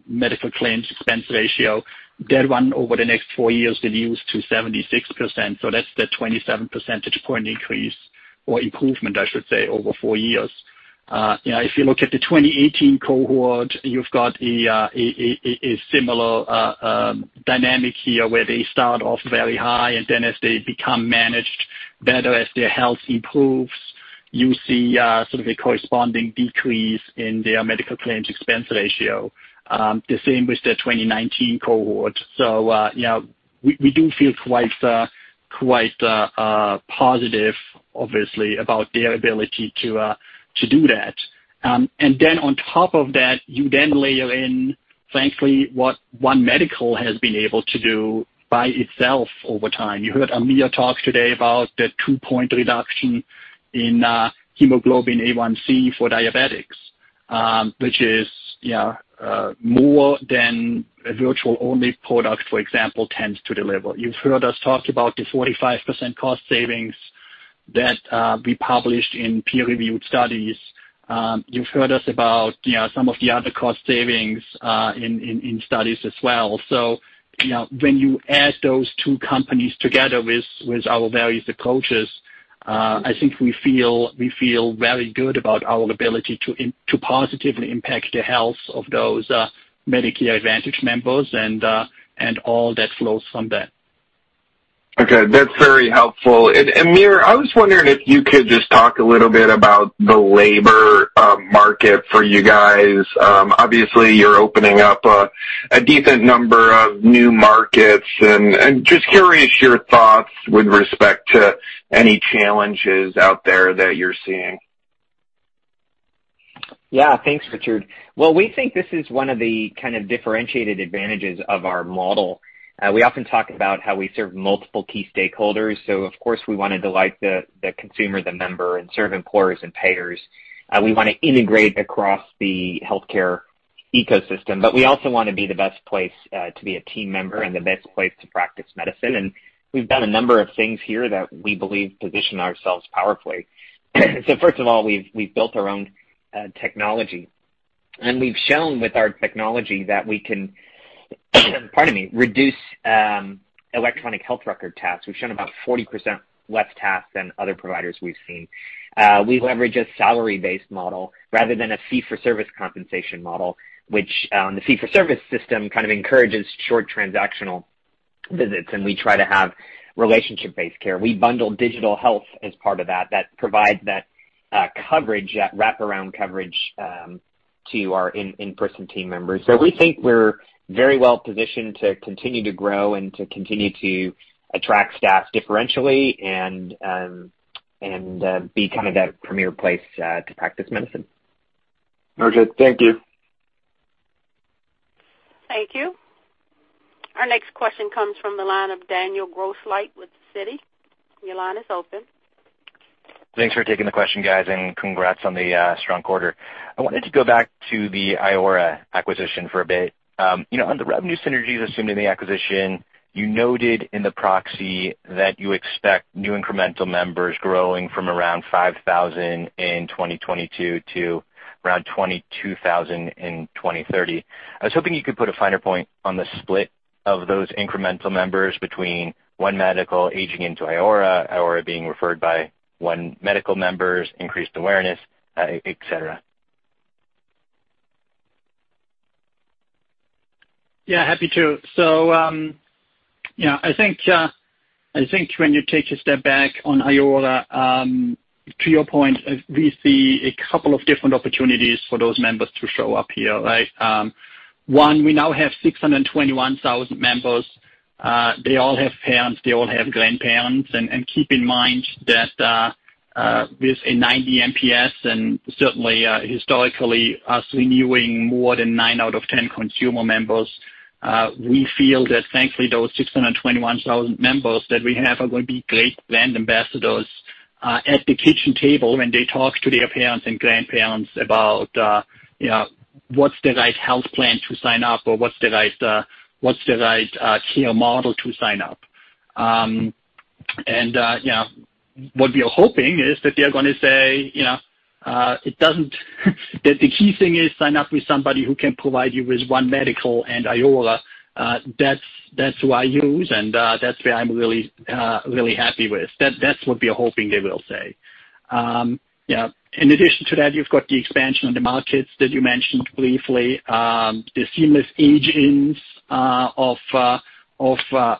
medical claims expense ratio. That one, over the next four years, reduced to 76%. That's the 27 percentage point increase, or improvement I should say, over four years. If you look at the 2018 cohort, you've got a similar dynamic here, where they start off very high, and then as they become managed better, as their health improves, you see sort of a corresponding decrease in their medical claims expense ratio. The same with the 2019 cohort. We do feel quite positive, obviously, about their ability to do that. On top of that, you then layer in, thankfully, what One Medical has been able to do by itself over time. You heard Amir talk today about the two-point reduction in hemoglobin A1c for diabetics, which is more than a virtual-only product, for example, tends to deliver. You've heard us talk about the 45% cost savings that we published in peer-reviewed studies. You've heard us about some of the other cost savings in studies as well. When you add those two companies together with our various approaches, I think we feel very good about our ability to positively impact the health of those Medicare Advantage members and all that flows from that. Okay. That's very helpful. Amir, I was wondering if you could just talk a little bit about the labor market for you guys. Obviously, you're opening up a decent number of new markets, and just curious your thoughts with respect to any challenges out there that you're seeing. Yeah. Thanks, Richard. Well, we think this is one of the kind of differentiated advantages of our model. We often talk about how we serve multiple key stakeholders. Of course, we want to delight the consumer, the member, and serve employers and payers. We want to integrate across the healthcare ecosystem. We also want to be the best place to be a team member and the best place to practice medicine. We've done a number of things here that we believe position ourselves powerfully. First of all, we've built our own technology. We've shown with our technology that we can pardon me, reduce electronic health record tasks. We've shown about 40% less tasks than other providers we've seen. We leverage a salary-based model rather than a fee-for-service compensation model, which the fee-for-service system kind of encourages short transactional visits, and we try to have relationship-based care. We bundle digital health as part of that provides that wraparound coverage to our in-person team members. We think we're very well positioned to continue to grow and to continue to attract staff differentially and be kind of that premier place to practice medicine. Okay. Thank you. Thank you. Our next question comes from the line of Daniel Grosslight with Citi. Your line is open. Thanks for taking the question, guys, and congrats on the strong quarter. I wanted to go back to the Iora acquisition for a bit. On the revenue synergies assumed in the acquisition, you noted in the proxy that you expect new incremental members growing from around 5,000 in 2022 to around 22,000 in 2030. I was hoping you could put a finer point on the split of those incremental members between One Medical aging into Iora being referred by One Medical members, increased awareness, et cetera. Yeah, happy to. I think when you take a step back on Iora, to your point, we see two different opportunities for those members to show up here. One, we now have 621,000 members. They all have parents, they all have grandparents. Keep in mind that with a 90 NPS and certainly historically us renewing more than nine out of 10 consumer members, we feel that thankfully those 621,000 members that we have are going to be great brand ambassadors at the kitchen table when they talk to their parents and grandparents about what's the right health plan to sign up or what's the right care model to sign up. What we are hoping is that they're going to say that the key thing is sign up with somebody who can provide you with One Medical and Iora. That's who I use, and that's where I'm really happy with. That's what we are hoping they will say. In addition to that, you've got the expansion of the markets that you mentioned briefly. The seamless age-ins of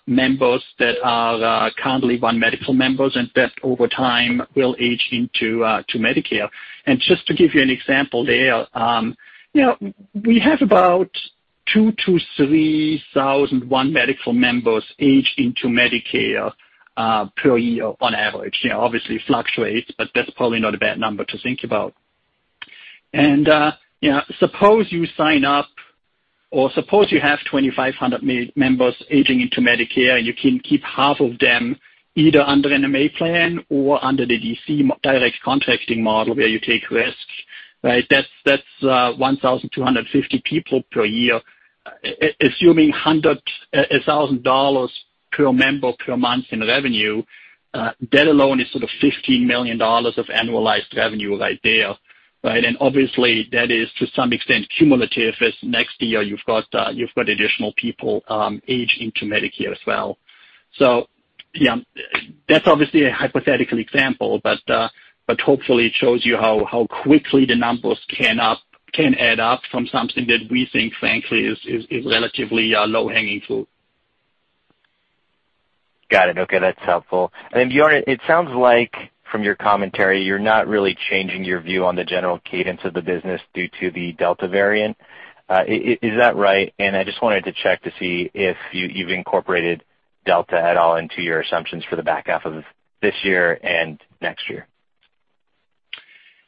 members that are currently One Medical members, and that over time will age into Medicare. Just to give you an example there, we have about 2,000 to 3,000 One Medical members age into Medicare per year on average. Obviously, it fluctuates, but that's probably not a bad number to think about. Suppose you sign up, or suppose you have 2,500 members aging into Medicare, and you can keep half of them either under an MA plan or under the DC Direct Contracting model where you take risks. That's 1,250 people per year. Assuming $100,000 per member per month in revenue, that alone is sort of $15 million of annualized revenue right there. Obviously, that is, to some extent, cumulative, as next year you've got additional people aging into Medicare as well. That's obviously a hypothetical example, but hopefully it shows you how quickly the numbers can add up from something that we think, frankly, is relatively a low-hanging fruit. Got it. Okay, that's helpful. Bjorn, it sounds like from your commentary, you're not really changing your view on the general cadence of the business due to the Delta variant. Is that right? I just wanted to check to see if you've incorporated Delta at all into your assumptions for the back half of this year and next year.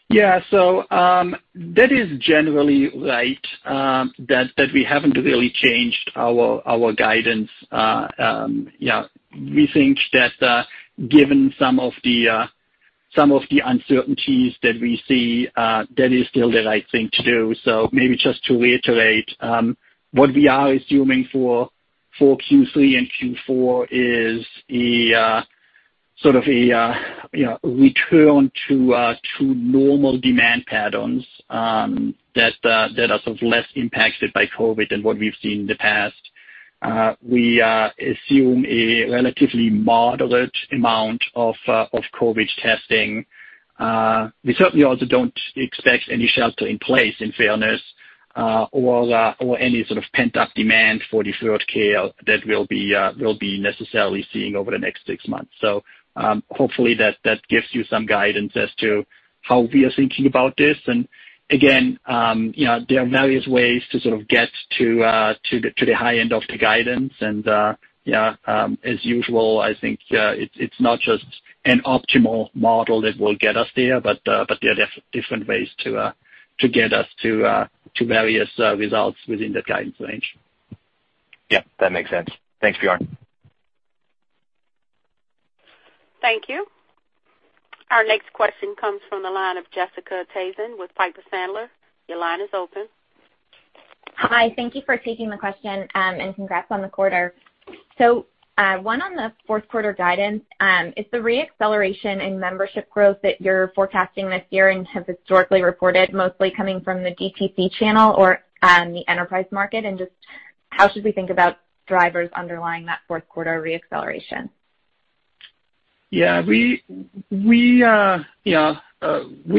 Yeah. That is generally right, that we haven't really changed our guidance. We think that given some of the uncertainties that we see, that is still the right thing to do. Maybe just to reiterate, what we are assuming for Q3 and Q4 is sort of a return to normal demand patterns that are sort of less impacted by COVID than what we've seen in the past. We assume a relatively moderate amount of COVID testing. We certainly also don't expect any shelter in place, in fairness, or any sort of pent-up demand for deferred care that we'll be necessarily seeing over the next six months. Hopefully that gives you some guidance as to how we are thinking about this. Again, there are various ways to sort of get to the high end of the guidance. As usual, I think it's not just an optimal model that will get us there, but there are different ways to get us to various results within that guidance range. Yeah, that makes sense. Thanks, Bjorn. Thank you. Our next question comes from the line of Jessica Tassan with Piper Sandler. Your line is open. Hi. Thank you for taking the question, and congrats on the quarter. One on the fourth quarter guidance. Is the re-acceleration in membership growth that you're forecasting this year and have historically reported mostly coming from the DTC channel or the enterprise market? Just how should we think about drivers underlying that fourth quarter re-acceleration? Yeah. We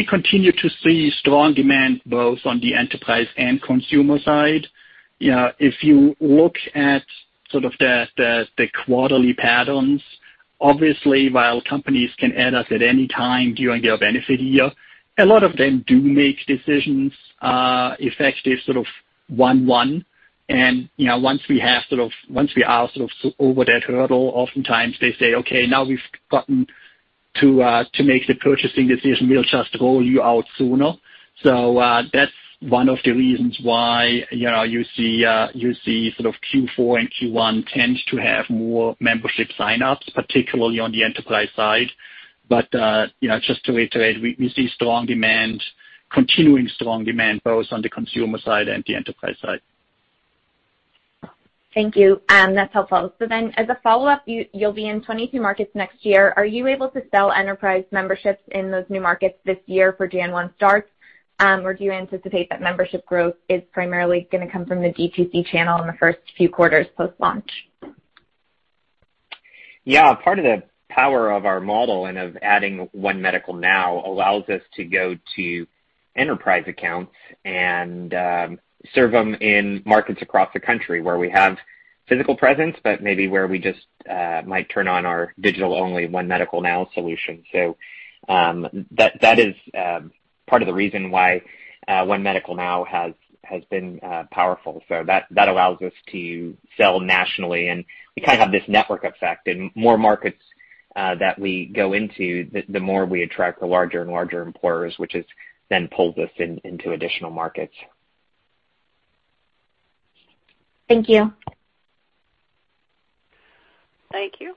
continue to see strong demand both on the enterprise and consumer side. If you look at sort of the quarterly patterns, obviously, while companies can add us at any time during their benefit year, a lot of them do make decisions effective sort of 1/1. Once we are sort of over that hurdle, oftentimes they say, "Okay, now we've gotten to make the purchasing decision. We'll just roll you out sooner." That's one of the reasons why you see sort of Q4 and Q1 tend to have more membership sign-ups, particularly on the enterprise side. Just to reiterate, we see continuing strong demand both on the consumer side and the enterprise side. Thank you. That's helpful. As a follow-up, you'll be in 22 markets next year. Are you able to sell enterprise memberships in those new markets this year for January 1 starts? Do you anticipate that membership growth is primarily going to come from the DTC channel in the first few quarters post-launch? Yeah. Part of the power of our model and of adding One Medical Now allows us to go to enterprise accounts and serve them in markets across the country where we have physical presence, but maybe where we just might turn on our digital-only One Medical Now solution. That is part of the reason why One Medical Now has been powerful. That allows us to sell nationally, and we kind of have this network effect in more markets that we go into, the more we attract the larger and larger employers, which then pulls us into additional markets. Thank you. Thank you.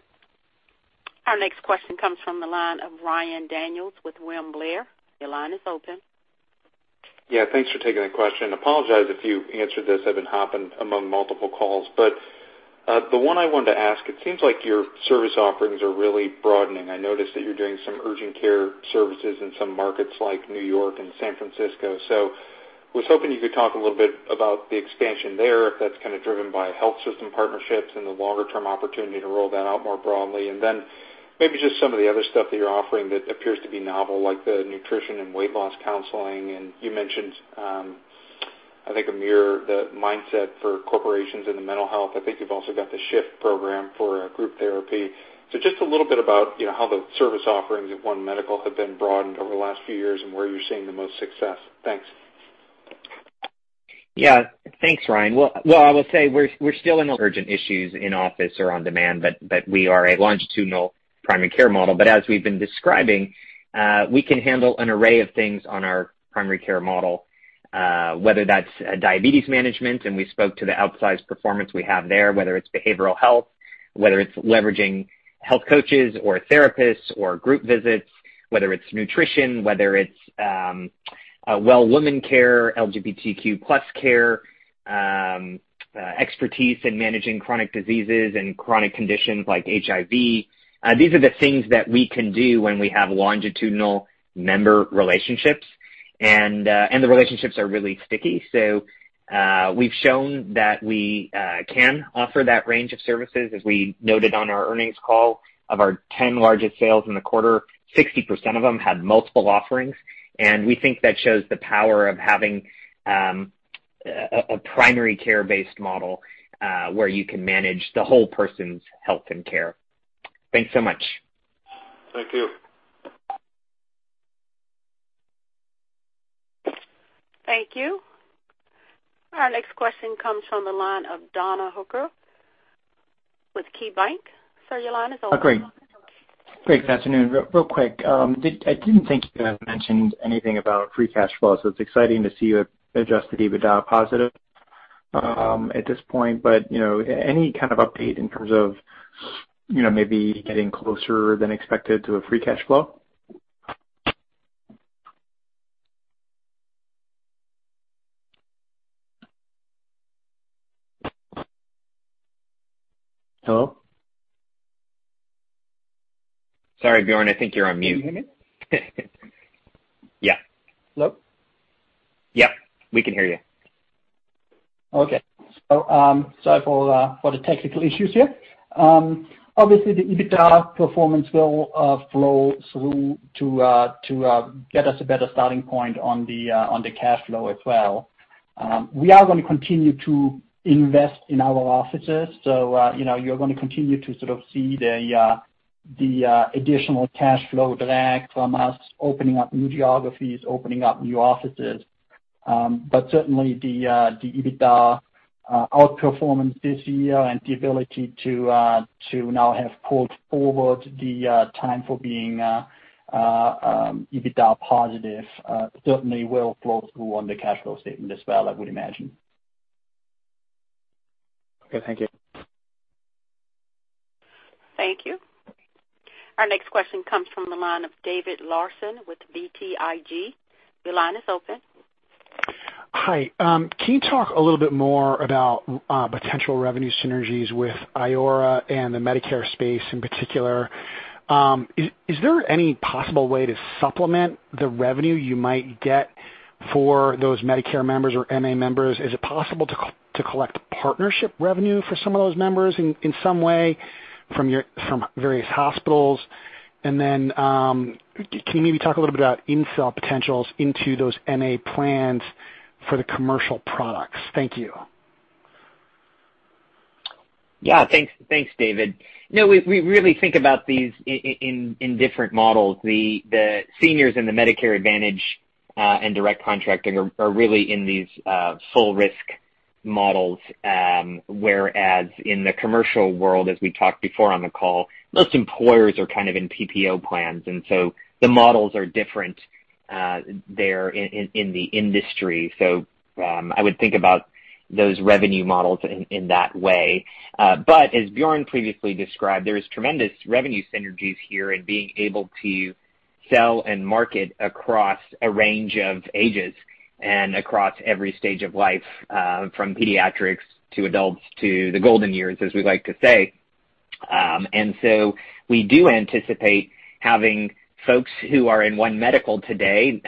Our next question comes from the line of Ryan Daniels with William Blair. Your line is open. Thanks for taking the question. Apologize if you answered this. I've been hopping among multiple calls. The one I wanted to ask, it seems like your service offerings are really broadening. I noticed that you're doing some urgent care services in some markets like New York and San Francisco. Was hoping you could talk a little bit about the expansion there, if that's kind of driven by health system partnerships and the longer-term opportunity to roll that out more broadly. Then maybe just some of the other stuff that you're offering that appears to be novel, like the nutrition and weight loss counseling. You mentioned, I think, Amir, the Mindset for corporations in the mental health. I think you've also got the Shift program for group therapy. Just a little bit about how the service offerings at One Medical have been broadened over the last few years and where you're seeing the most success. Thanks. Thanks, Ryan. I will say we're still in urgent issues in office or on demand, but we are a longitudinal primary care model. As we've been describing, we can handle an array of things on our primary care model, whether that's diabetes management, and we spoke to the outsized performance we have there, whether it's behavioral health, whether it's leveraging health coaches or therapists or group visits, whether it's nutrition, whether it's well woman care, LGBTQ+ care, expertise in managing chronic diseases and chronic conditions like HIV. These are the things that we can do when we have longitudinal member relationships. The relationships are really sticky. We've shown that we can offer that range of services. As we noted on our earnings call, of our 10 largest sales in the quarter, 60% of them had multiple offerings. We think that shows the power of having a primary care-based model, where you can manage the whole person's health and care. Thanks so much. Thank you. Thank you. Our next question comes from the line of Donald Hooker with KeyBanc. Sir, your line is open. Great. Good afternoon. Real quick. I didn't think you guys mentioned anything about free cash flow, so it's exciting to see you adjusted EBITDA positive at this point. Any kind of update in terms of maybe getting closer than expected to a free cash flow? Hello? Sorry, Bjorn, I think you're on mute. Can you hear me? Yeah. Hello? Yep, we can hear you. Okay. Sorry for the technical issues here. Obviously, the EBITDA performance will flow through to get us a better starting point on the cash flow as well. We are going to continue to invest in our offices. You're going to continue to sort of see the additional cash flow drag from us opening up new geographies, opening up new offices. Certainly the EBITDA outperformance this year and the ability to now have pulled forward the time for being EBITDA positive certainly will flow through on the cash flow statement as well, I would imagine. Okay, thank you. Thank you. Our next question comes from the line of David Larsen with BTIG. Your line is open. Hi. Can you talk a little bit more about potential revenue synergies with Iora and the Medicare space in particular? Is there any possible way to supplement the revenue you might get for those Medicare members or MA members? Is it possible to collect partnership revenue for some of those members in some way from various hospitals? Can you maybe talk a little bit about upsell potentials into those MA plans for the commercial products? Thank you. Yeah. Thanks, David. No, we really think about these in different models. The seniors in the Medicare Advantage and Direct Contracting are really in these full risk models, whereas in the commercial world, as we talked before on the call, most employers are kind of in PPO plans. The models are different there in the industry. I would think about those revenue models in that way. As Bjorn previously described, there is tremendous revenue synergies here in being able to sell and market across a range of ages and across every stage of life, from pediatrics to adults to the golden years, as we like to say. We do anticipate having folks who are in One Medical today.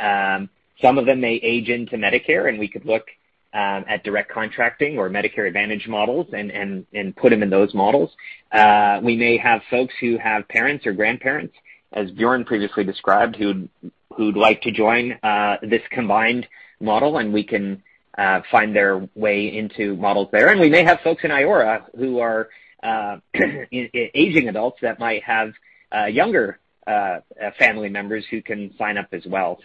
Some of them may age into Medicare, and we could look at Direct Contracting or Medicare Advantage models and put them in those models. We may have folks who have parents or grandparents, as Bjorn previously described, who'd like to join this combined model. We can find their way into models there. We may have folks in Iora who are aging adults that might have younger family members who can sign up as well.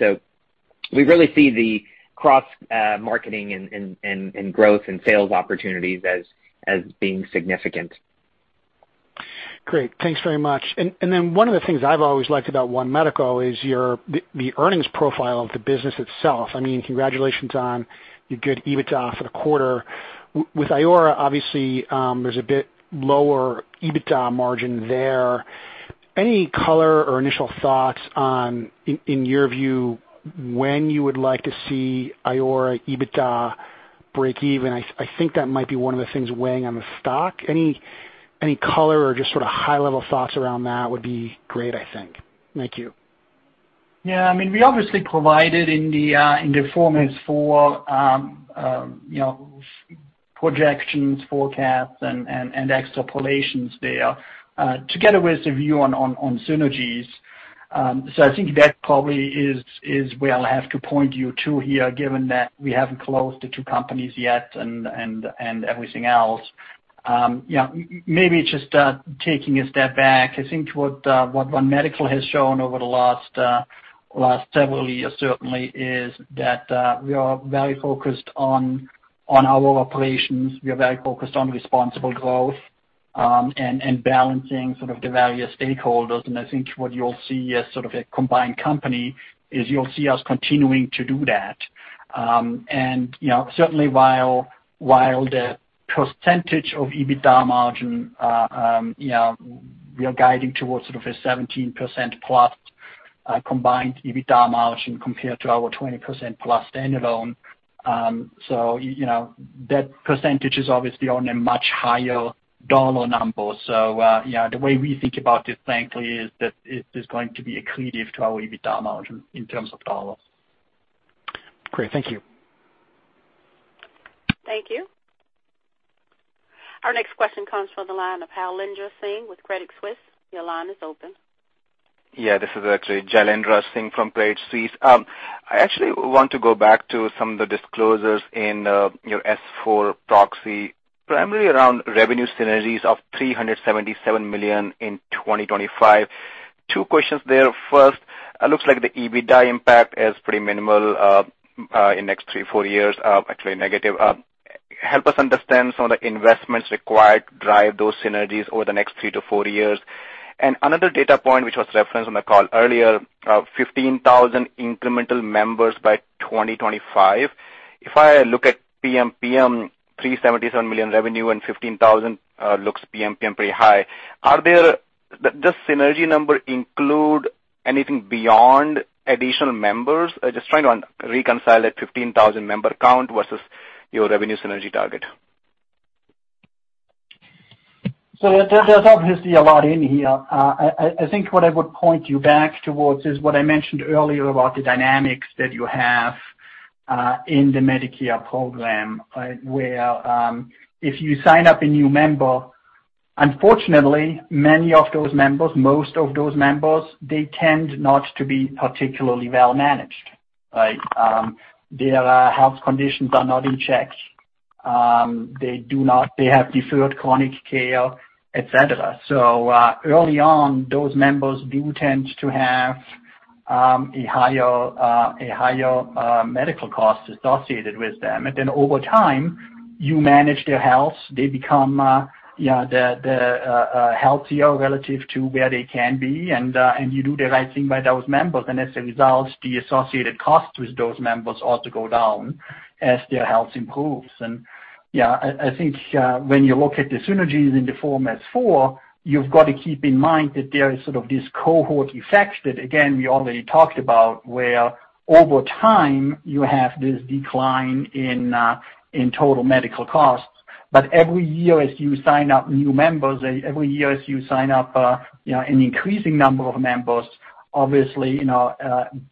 We really see the cross-marketing and growth and sales opportunities as being significant. Great. Thanks very much. One of the things I've always liked about One Medical is the earnings profile of the business itself. I mean, congratulations on your good EBITDA for the quarter. With Iora, obviously, there's a bit lower EBITDA margin there. Any color or initial thoughts on, in your view, when you would like to see Iora EBITDA breakeven. I think that might be one of the things weighing on the stock. Any color or just high-level thoughts around that would be great, I think. Thank you. Yeah. We obviously provided in the Form S-4 projections, forecasts, and extrapolations there, together with the view on synergies. I think that probably is where I'll have to point you to here, given that we haven't closed the two companies yet and everything else. Maybe just taking a step back, I think what One Medical has shown over the last several years certainly is that we are very focused on our operations. We are very focused on responsible growth and balancing the value of stakeholders. I think what you'll see as a combined company is you'll see us continuing to do that. Certainly while the percentage of EBITDA margin, we are guiding towards sort of a 17%-plus combined EBITDA margin compared to our 20%-plus standalone. That percentage is obviously on a much higher dollar number. The way we think about it, frankly, is that it is going to be accretive to our EBITDA margin in terms of dollars. Great. Thank you. Thank you. Our next question comes from the line of Jailendra Singh with Credit Suisse. Your line is open. Yeah. This is actually Jailendra Singh from Credit Suisse. I actually want to go back to some of the disclosures in your S-4 proxy, primarily around revenue synergies of $377 million in 2025. Two questions there. First, it looks like the EBITDA impact is pretty minimal in next three, four years, actually negative. Help us understand some of the investments required to drive those synergies over the next three to four years. Another data point, which was referenced on the call earlier, 15,000 incremental members by 2025. If I look at PMPM, $377 million revenue and 15,000 looks PMPM pretty high. Does synergy number include anything beyond additional members? Just trying to reconcile that 15,000 member count versus your revenue synergy target. There's obviously a lot in here. I think what I would point you back towards is what I mentioned earlier about the dynamics that you have in the Medicare program, where if you sign up a new member, unfortunately, most of those members, they tend not to be particularly well managed, right. Their health conditions are not in check. They have deferred chronic care, et cetera. Early on, those members do tend to have a higher medical cost associated with them. Then over time, you manage their health. They become healthier relative to where they can be. You do the right thing by those members. As a result, the associated cost with those members ought to go down as their health improves. Yeah, I think, when you look at the synergies in the Form S-4, you've got to keep in mind that there is sort of this cohort effect that, again, we already talked about, where over time you have this decline in total medical costs. Every year, as you sign up new members, every year as you sign up an increasing number of members, obviously,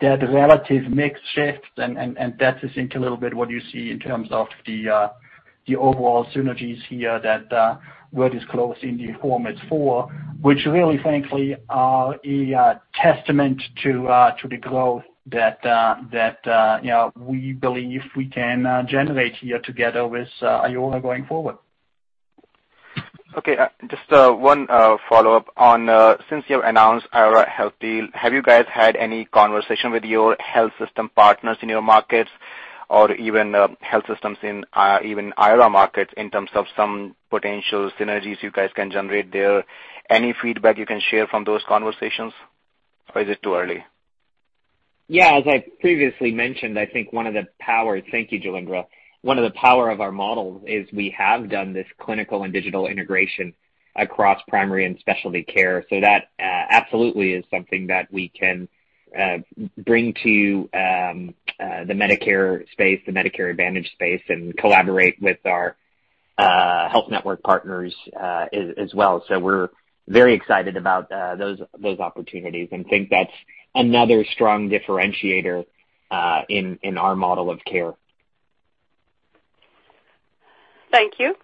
their relative mix shifts, and that is, I think, a little bit what you see in terms of the overall synergies here that were disclosed in the Form S-4, which really, frankly, are a testament to the growth that we believe we can generate here together with Iora going forward. Okay. Just one follow-up on, since you've announced Iora Health deal, have you guys had any conversation with your health system partners in your markets or even health systems in even Iora markets in terms of some potential synergies you guys can generate there? Any feedback you can share from those conversations, or is it too early? Yeah. As I previously mentioned, I think thank you, Jailendra. One of the power of our models is we have done this clinical and digital integration across primary and specialty care. That, absolutely is something that we can bring to the Medicare space, the Medicare Advantage space, and collaborate with our health network partners as well. We're very excited about those opportunities and think that's another strong differentiator in our model of care. Thank you.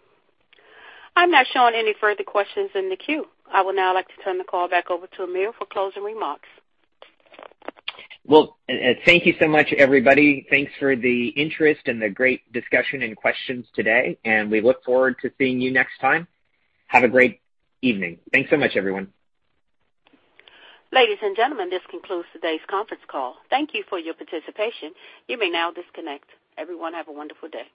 I'm not showing any further questions in the queue. I would now like to turn the call back over to Amir for closing remarks. Well, thank you so much, everybody. Thanks for the interest and the great discussion and questions today, and we look forward to seeing you next time. Have a great evening. Thanks so much, everyone. Ladies and gentlemen, this concludes today's conference call. Thank you for your participation. You may now disconnect. Everyone have a wonderful day.